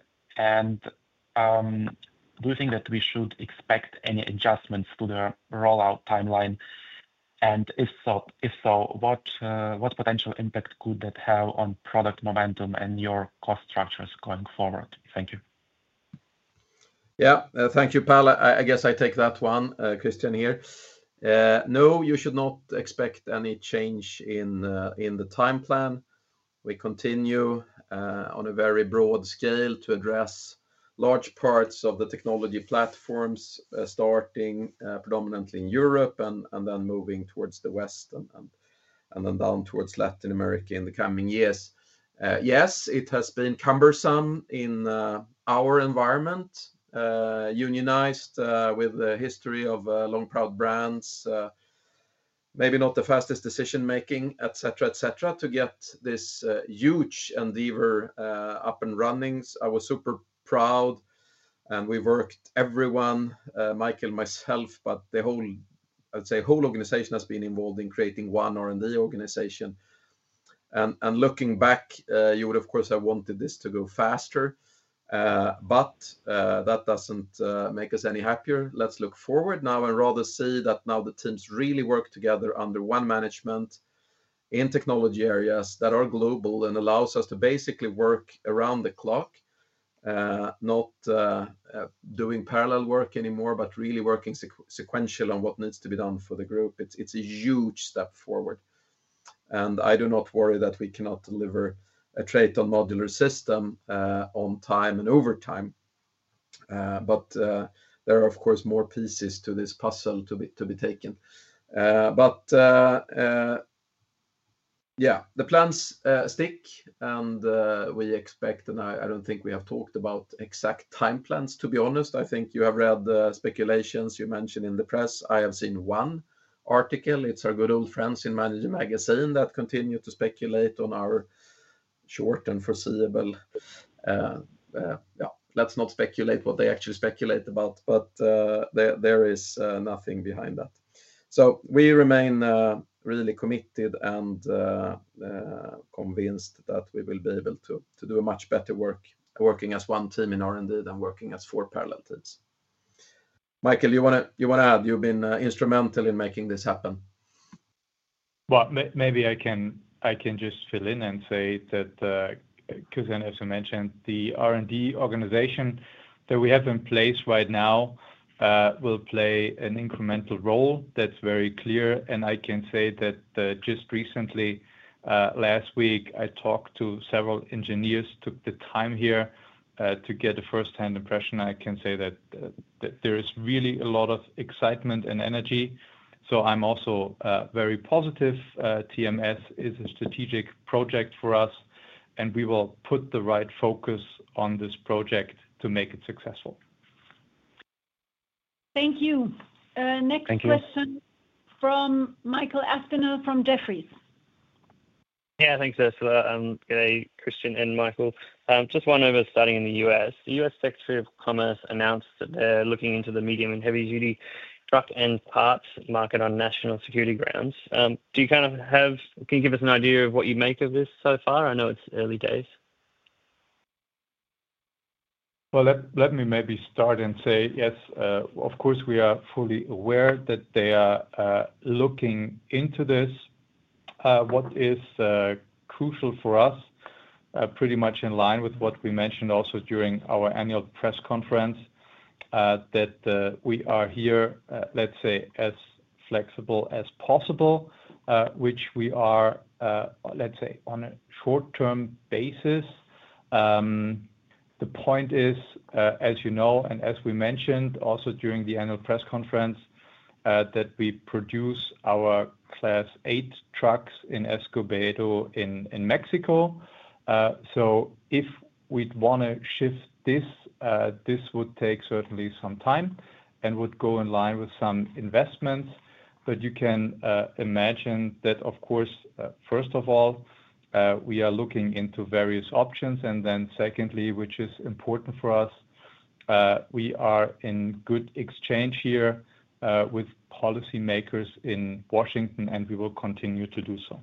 Speaker 10: Do you think that we should expect any adjustments to the rollout timeline? If so, what potential impact could that have on product momentum and your cost structures going forward? Thank you.
Speaker 2: Yeah, thank you, Pal. I guess I take that one, Christian here. No, you should not expect any change in the time plan. We continue on a very broad scale to address large parts of the technology platforms, starting predominantly in Europe and then moving towards the West and then down towards Latin America in the coming years. Yes, it has been cumbersome in our environment, unionized with the history of long-proud brands, maybe not the fastest decision-making, etc., etc., to get this huge endeavor up and running. I was super proud. We worked, everyone, Michael, myself, but the whole, I'd say, whole organization has been involved in creating one R&D organization. Looking back, you would, of course, have wanted this to go faster. That does not make us any happier. Let's look forward now and rather see that now the teams really work together under one management in technology areas that are global and allows us to basically work around the clock, not doing parallel work anymore, but really working sequential on what needs to be done for the group. It's a huge step forward. I do not worry that we cannot deliver a TRATON Modular System on time and over time. There are, of course, more pieces to this puzzle to be taken. The plans stick. We expect, and I do not think we have talked about exact time plans, to be honest. I think you have read speculations you mentioned in the press. I have seen one article. It is our good old friends in Manager Magazine that continue to speculate on our short and foreseeable. Yeah, let us not speculate what they actually speculate about. There is nothing behind that. We remain really committed and convinced that we will be able to do a much better work working as one team in R&D than working as four parallel teams. Michael, you want to add? You have been instrumental in making this happen.
Speaker 3: Maybe I can just fill in and say that, because I know you mentioned the R&D organization that we have in place right now will play an incremental role. That is very clear. I can say that just recently, last week, I talked to several engineers, took the time here to get a firsthand impression. I can say that there is really a lot of excitement and energy. I am also very positive. TMS is a strategic project for us. We will put the right focus on this project to make it successful.
Speaker 1: Thank you. Next question from Michael Aspinall from Jefferies.
Speaker 11: Yeah, thanks, Ursula. Good day, Christian and Michael. Just one over starting in the U.S. The U.S. Secretary of Commerce announced that they are looking into the medium and heavy-duty truck and parts market on national security grounds. Do you kind of have, can you give us an idea of what you make of this so far? I know it is early days.
Speaker 2: Let me maybe start and say, yes, of course, we are fully aware that they are looking into this. What is crucial for us, pretty much in line with what we mentioned also during our annual press conference, is that we are here, let's say, as flexible as possible, which we are, let's say, on a short-term basis. The point is, as you know, and as we mentioned also during the annual press conference, that we produce our Class 8 trucks in Escobedo in Mexico. If we would want to shift this, this would take certainly some time and would go in line with some investments. You can imagine that, of course, first of all, we are looking into various options. Secondly, which is important for us, we are in good exchange here with policymakers in Washington, and we will continue to do so.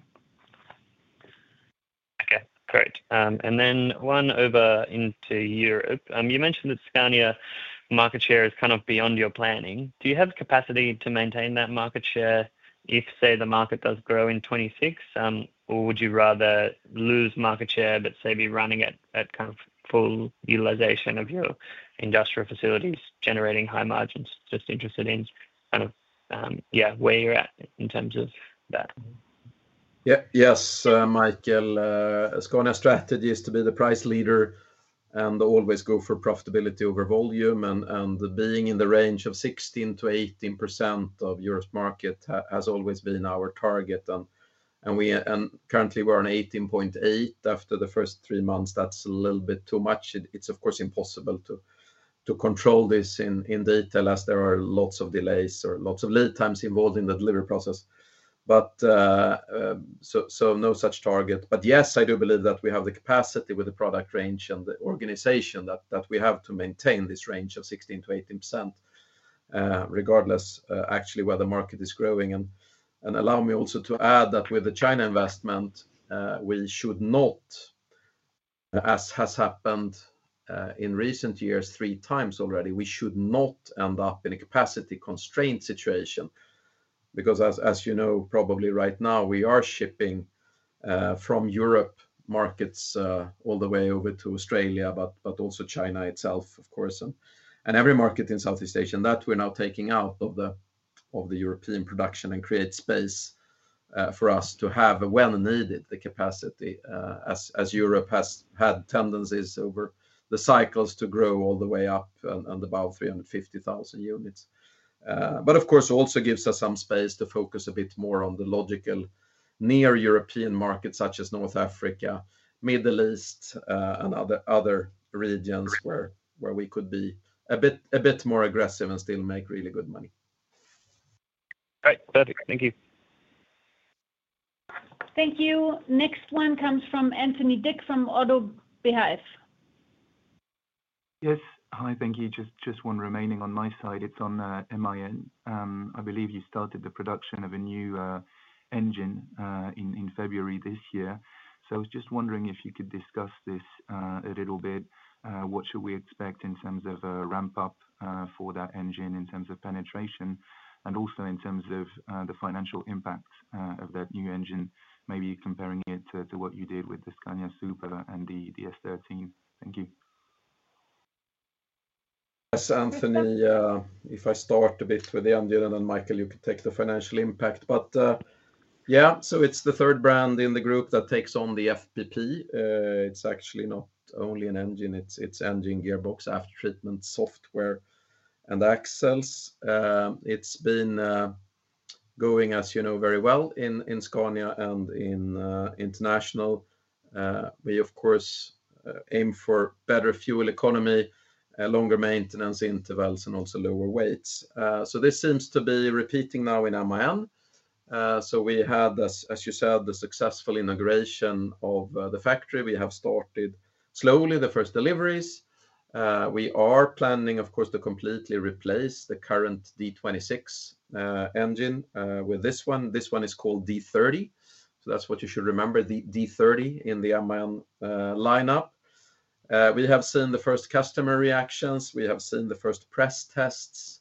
Speaker 11: Okay, great. One over into Europe. You mentioned that Scania market share is kind of beyond your planning. Do you have capacity to maintain that market share if, say, the market does grow in 2026? Or would you rather lose market share, but be running at kind of full utilization of your industrial facilities generating high margins? Just interested in where you're at in terms of that.
Speaker 2: Yes, Michael. Scania strategy is to be the price leader and always go for profitability over volume. Being in the range of 16%-18% of Europe's market has always been our target. Currently, we're on 18.8% after the first three months. That's a little bit too much. It's, of course, impossible to control this in detail as there are lots of delays or lots of lead times involved in the delivery process. No such target. Yes, I do believe that we have the capacity with the product range and the organization that we have to maintain this range of 16%-18% regardless, actually, where the market is growing. Allow me also to add that with the China investment, we should not, as has happened in recent years three times already, end up in a capacity constraint situation. As you know, probably right now, we are shipping from Europe markets all the way over to Australia, but also China itself, of course. Every market in Southeast Asia that we're now taking out of the European production creates space for us to have, when needed, the capacity, as Europe has had tendencies over the cycles to grow all the way up and about 350,000 units. Of course, also gives us some space to focus a bit more on the logical near European markets, such as North Africa, Middle East, and other regions where we could be a bit more aggressive and still make really good money.
Speaker 11: All right, perfect. Thank you.
Speaker 1: Thank you. Next one comes from Anthony Dick from Auto Behive.
Speaker 12: Yes, hi. Thank you. Just one remaining on my side. It's on MAN. I believe you started the production of a new engine in February this year. I was just wondering if you could discuss this a little bit. What should we expect in terms of a ramp-up for that engine in terms of penetration and also in terms of the financial impact of that new engine, maybe comparing it to what you did with the Scania Super and the S13? Thank you.
Speaker 2: Yes, Anthony, if I start a bit with the engine and then Michael, you could take the financial impact. Yeah, so it's the third brand in the group that takes on the FPP. It's actually not only an engine. It's engine, gearbox, aftertreatment software, and axles. It's been going, as you know, very well in Scania and in International. We, of course, aim for better fuel economy, longer maintenance intervals, and also lower weights. This seems to be repeating now in MAN. We had, as you said, the successful integration of the factory. We have started slowly the first deliveries. We are planning, of course, to completely replace the current D26 engine with this one. This one is called D30. That's what you should remember, D30 in the MAN lineup. We have seen the first customer reactions. We have seen the first press tests.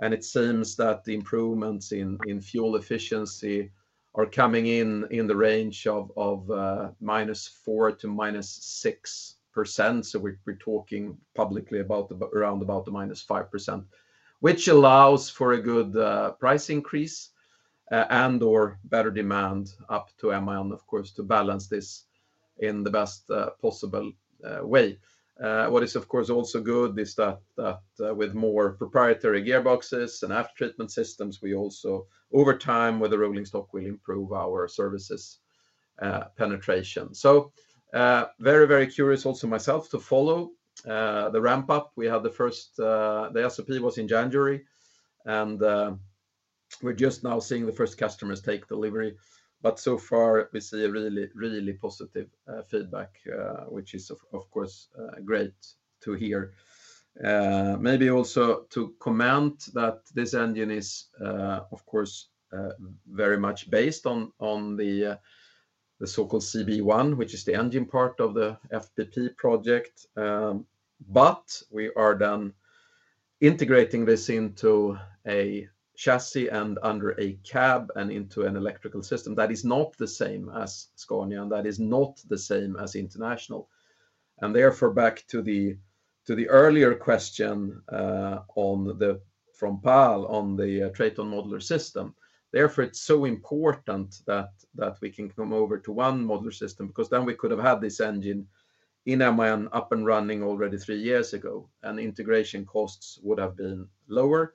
Speaker 2: It seems that the improvements in fuel efficiency are coming in the range of -4% to -6%. We are talking publicly about around -5%, which allows for a good price increase and/or better demand up to MIN, of course, to balance this in the best possible way. What is, of course, also good is that with more proprietary gearboxes and aftertreatment systems, we also, over time, with a rolling stock, will improve our services penetration. I am very, very curious also myself to follow the ramp-up. We had the first SOP in January. We are just now seeing the first customers take delivery. So far, we see really, really positive feedback, which is, of course, great to hear. Maybe also to comment that this engine is, of course, very much based on the so-called CB1, which is the engine part of the FPP project. We are then integrating this into a chassis and under a cab and into an electrical system that is not the same as Scania and that is not the same as International. Therefore, back to the earlier question from Pal on the TRATON Modular System, it is so important that we can come over to one modular system because then we could have had this engine in MAN up and running already three years ago. Integration costs would have been lower.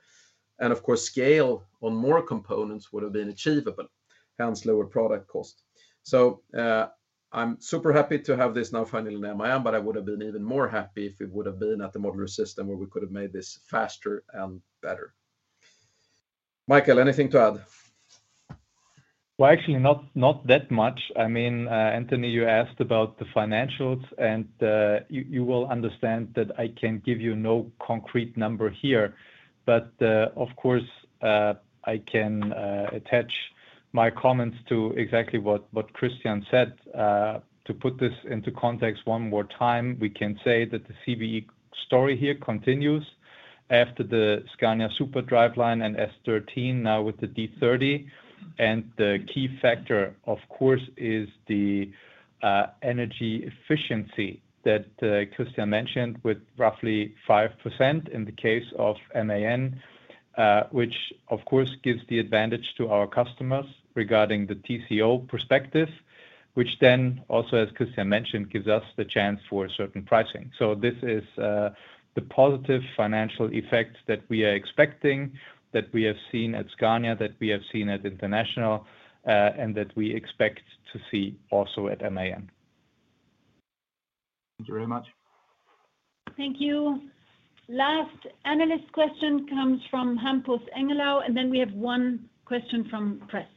Speaker 2: Of course, scale on more components would have been achievable, hence lower product cost. I'm super happy to have this now finally in MAN, but I would have been even more happy if we would have been at the modular system where we could have made this faster and better. Michael, anything to add?
Speaker 3: Actually, not that much. I mean, Anthony, you asked about the financials. You will understand that I can give you no concrete number here. Of course, I can attach my comments to exactly what Christian said. To put this into context one more time, we can say that the CBE story here continues after the Scania Supra driveline and S13, now with the D30. The key factor, of course, is the energy efficiency that Christian mentioned with roughly 5% in the case of MAN, which, of course, gives the advantage to our customers regarding the TCO perspective, which then, also as Christian mentioned, gives us the chance for certain pricing. This is the positive financial effect that we are expecting, that we have seen at Scania, that we have seen at International, and that we expect to see also at MAN.
Speaker 12: Thank you very much. Thank you. Last analyst question comes from Hampus Engellau. We have one question from Press.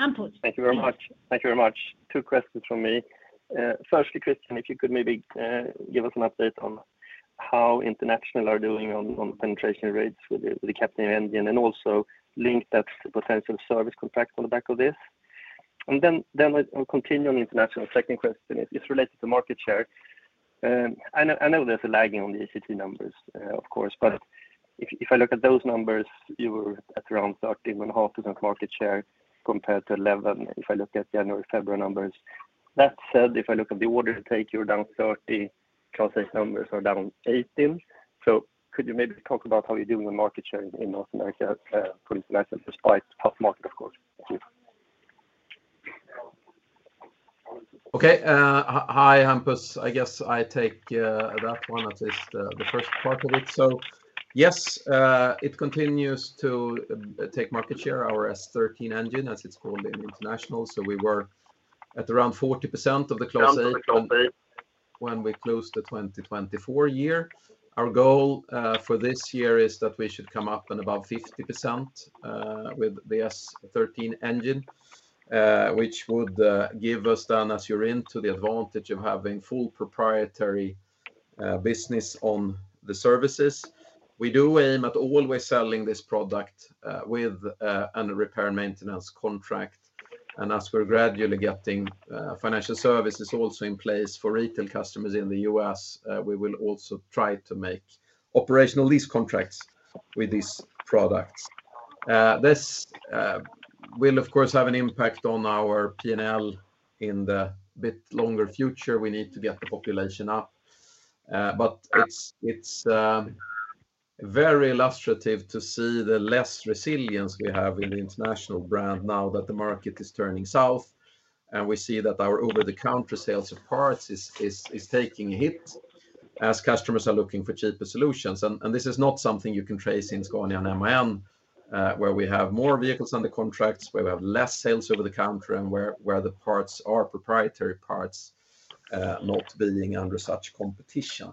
Speaker 12: Hampus. Thank you very much. Thank you very much. Two questions from me. Firstly, Christian, if you could maybe give us an update on how International are doing on penetration rates with the S13 engine and also link that to potential service contract on the back of this. Then I'll continue on International. Second question is related to market share. I know there's a lagging on the ECT numbers, of course. If I look at those numbers, you were at around 13.5% market share compared to 11% if I look at January-February numbers. That said, if I look at the order take, you're down 30. Translate numbers are down 18. Could you maybe talk about how you're doing on market share in North America for International despite half market, of course? Thank you.
Speaker 2: Okay. Hi, Hampus. I guess I take that one as the first part of it. Yes, it continues to take market share, our S13 engine, as it's called in International. We were at around 40% of the Class 8 when we closed the 2024 year. Our goal for this year is that we should come up and above 50% with the S13 engine, which would give us then, as you're in, the advantage of having full proprietary business on the services. We do aim at always selling this product with a repair maintenance contract. As we're gradually getting financial services also in place for retail customers in the U.S., we will also try to make operational lease contracts with these products. This will, of course, have an impact on our P&L in the bit longer future. We need to get the population up. It is very illustrative to see the less resilience we have in the International brand now that the market is turning south. We see that our over-the-counter sales of parts is taking a hit as customers are looking for cheaper solutions. This is not something you can trace in Scania and MAN, where we have more vehicles under contracts, where we have less sales over the counter, and where the parts are proprietary parts not being under such competition.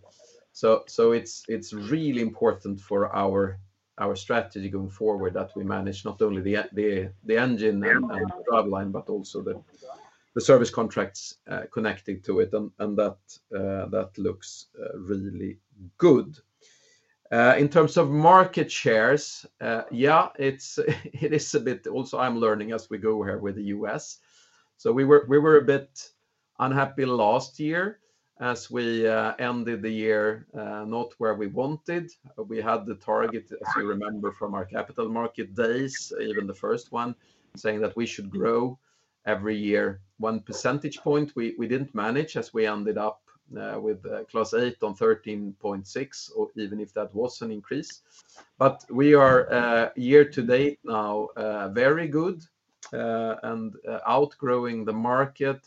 Speaker 2: It is really important for our strategy going forward that we manage not only the engine and the driveline, but also the service contracts connected to it. That looks really good. In terms of market shares, yeah, it is a bit also I'm learning as we go here with the U.S. We were a bit unhappy last year as we ended the year not where we wanted. We had the target, as you remember, from our capital market days, even the first one, saying that we should grow every year one percentage point. We did not manage as we ended up with Class 8 on 13.6, even if that was an increase. We are year to date now very good and outgrowing the market.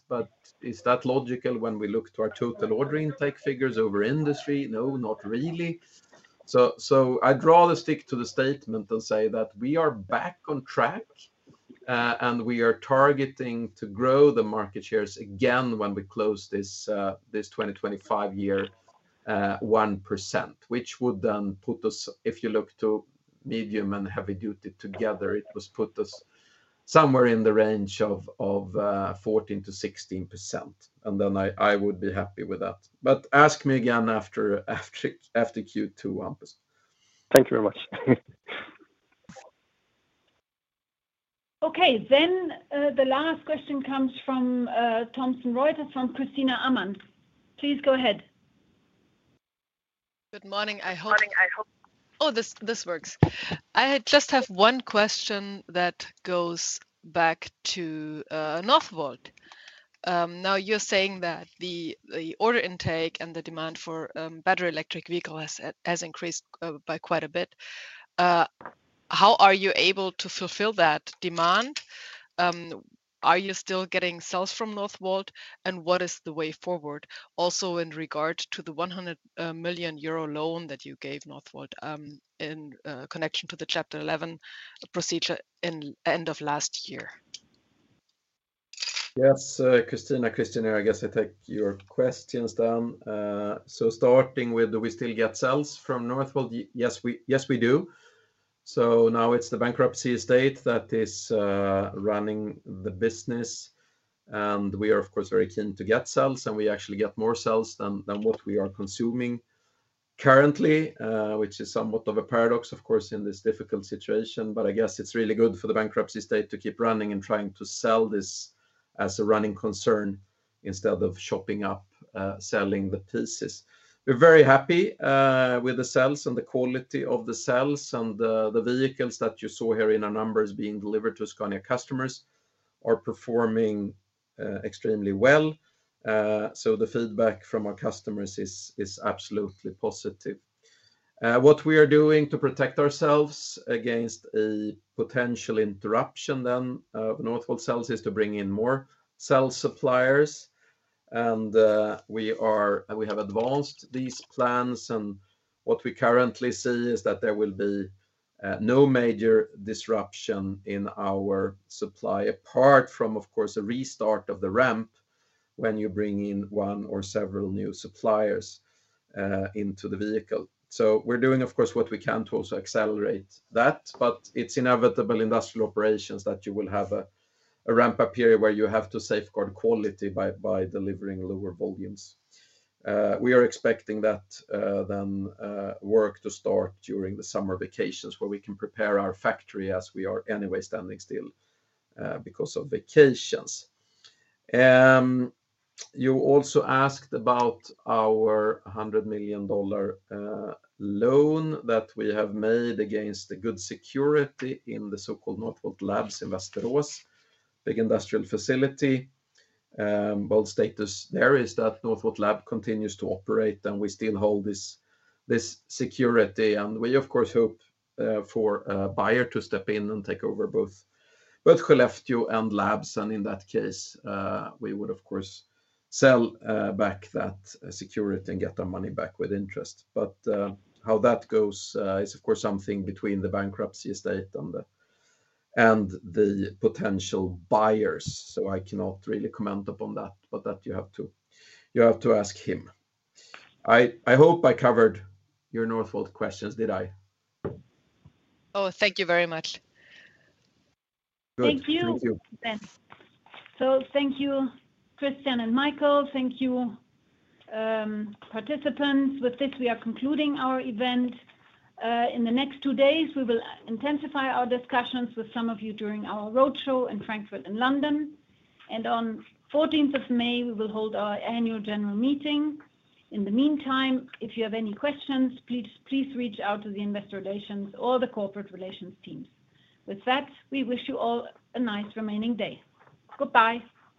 Speaker 2: Is that logical when we look to our total order intake figures over industry? No, not really. I would rather stick to the statement and say that we are back on track and we are targeting to grow the market shares again when we close this 2025 year 1%, which would then put us, if you look to medium and heavy duty together, it would put us somewhere in the range of 14%-16%. I would be happy with that. Ask me again after Q2, Hampus. Thank you very much.
Speaker 13: Okay. The last question comes from Thomson Reuters from Christina Amann. Please go ahead. Good morning. I hope this works. I just have one question that goes back to Northvolt. Now, you're saying that the order intake and the demand for battery electric vehicles has increased by quite a bit. How are you able to fulfill that demand? Are you still getting sales from Northvolt? What is the way forward? Also in regard to the 100 million euro loan that you gave Northvolt in connection to the Chapter 11 procedure in the end of last year.
Speaker 2: Yes, Christina, I guess I take your questions then. Starting with, do we still get sales from Northvolt? Yes, we do. Now it's the bankruptcy state that is running the business. We are, of course, very keen to get sales. We actually get more sales than what we are consuming currently, which is somewhat of a paradox, of course, in this difficult situation. I guess it's really good for the bankruptcy state to keep running and trying to sell this as a running concern instead of chopping up, selling the pieces. We're very happy with the sales and the quality of the sales. The vehicles that you saw here in our numbers being delivered to Scania customers are performing extremely well. The feedback from our customers is absolutely positive. What we are doing to protect ourselves against a potential interruption then of Northvolt's sales is to bring in more sales suppliers. We have advanced these plans. What we currently see is that there will be no major disruption in our supply apart from, of course, a restart of the ramp when you bring in one or several new suppliers into the vehicle. We're doing, of course, what we can to also accelerate that. It is inevitable in industrial operations that you will have a ramp-up period where you have to safeguard quality by delivering lower volumes. We are expecting that work to start during the summer vacations where we can prepare our factory as we are anyway standing still because of vacations. You also asked about our $100 million loan that we have made against the good security in the so-called Northvolt Labs in Västerås, a big industrial facility. The status there is that Northvolt Labs continues to operate. We still hold this security. We, of course, hope for a buyer to step in and take over both Skellefteå and Labs. In that case, we would, of course, sell back that security and get our money back with interest. How that goes is, of course, something between the bankruptcy state and the potential buyers. I cannot really comment upon that, but that you have to ask him. I hope I covered your Northvolt questions, did I?
Speaker 13: Oh, thank you very much.
Speaker 2: Thank you.
Speaker 1: Thank you. Thank you, Christian and Michael. Thank you, participants. With this, we are concluding our event. In the next two days, we will intensify our discussions with some of you during our roadshow in Frankfurt and London. On 14th of May, we will hold our annual general meeting. In the meantime, if you have any questions, please reach out to the investor relations or the corporate relations teams. With that, we wish you all a nice remaining day. Goodbye.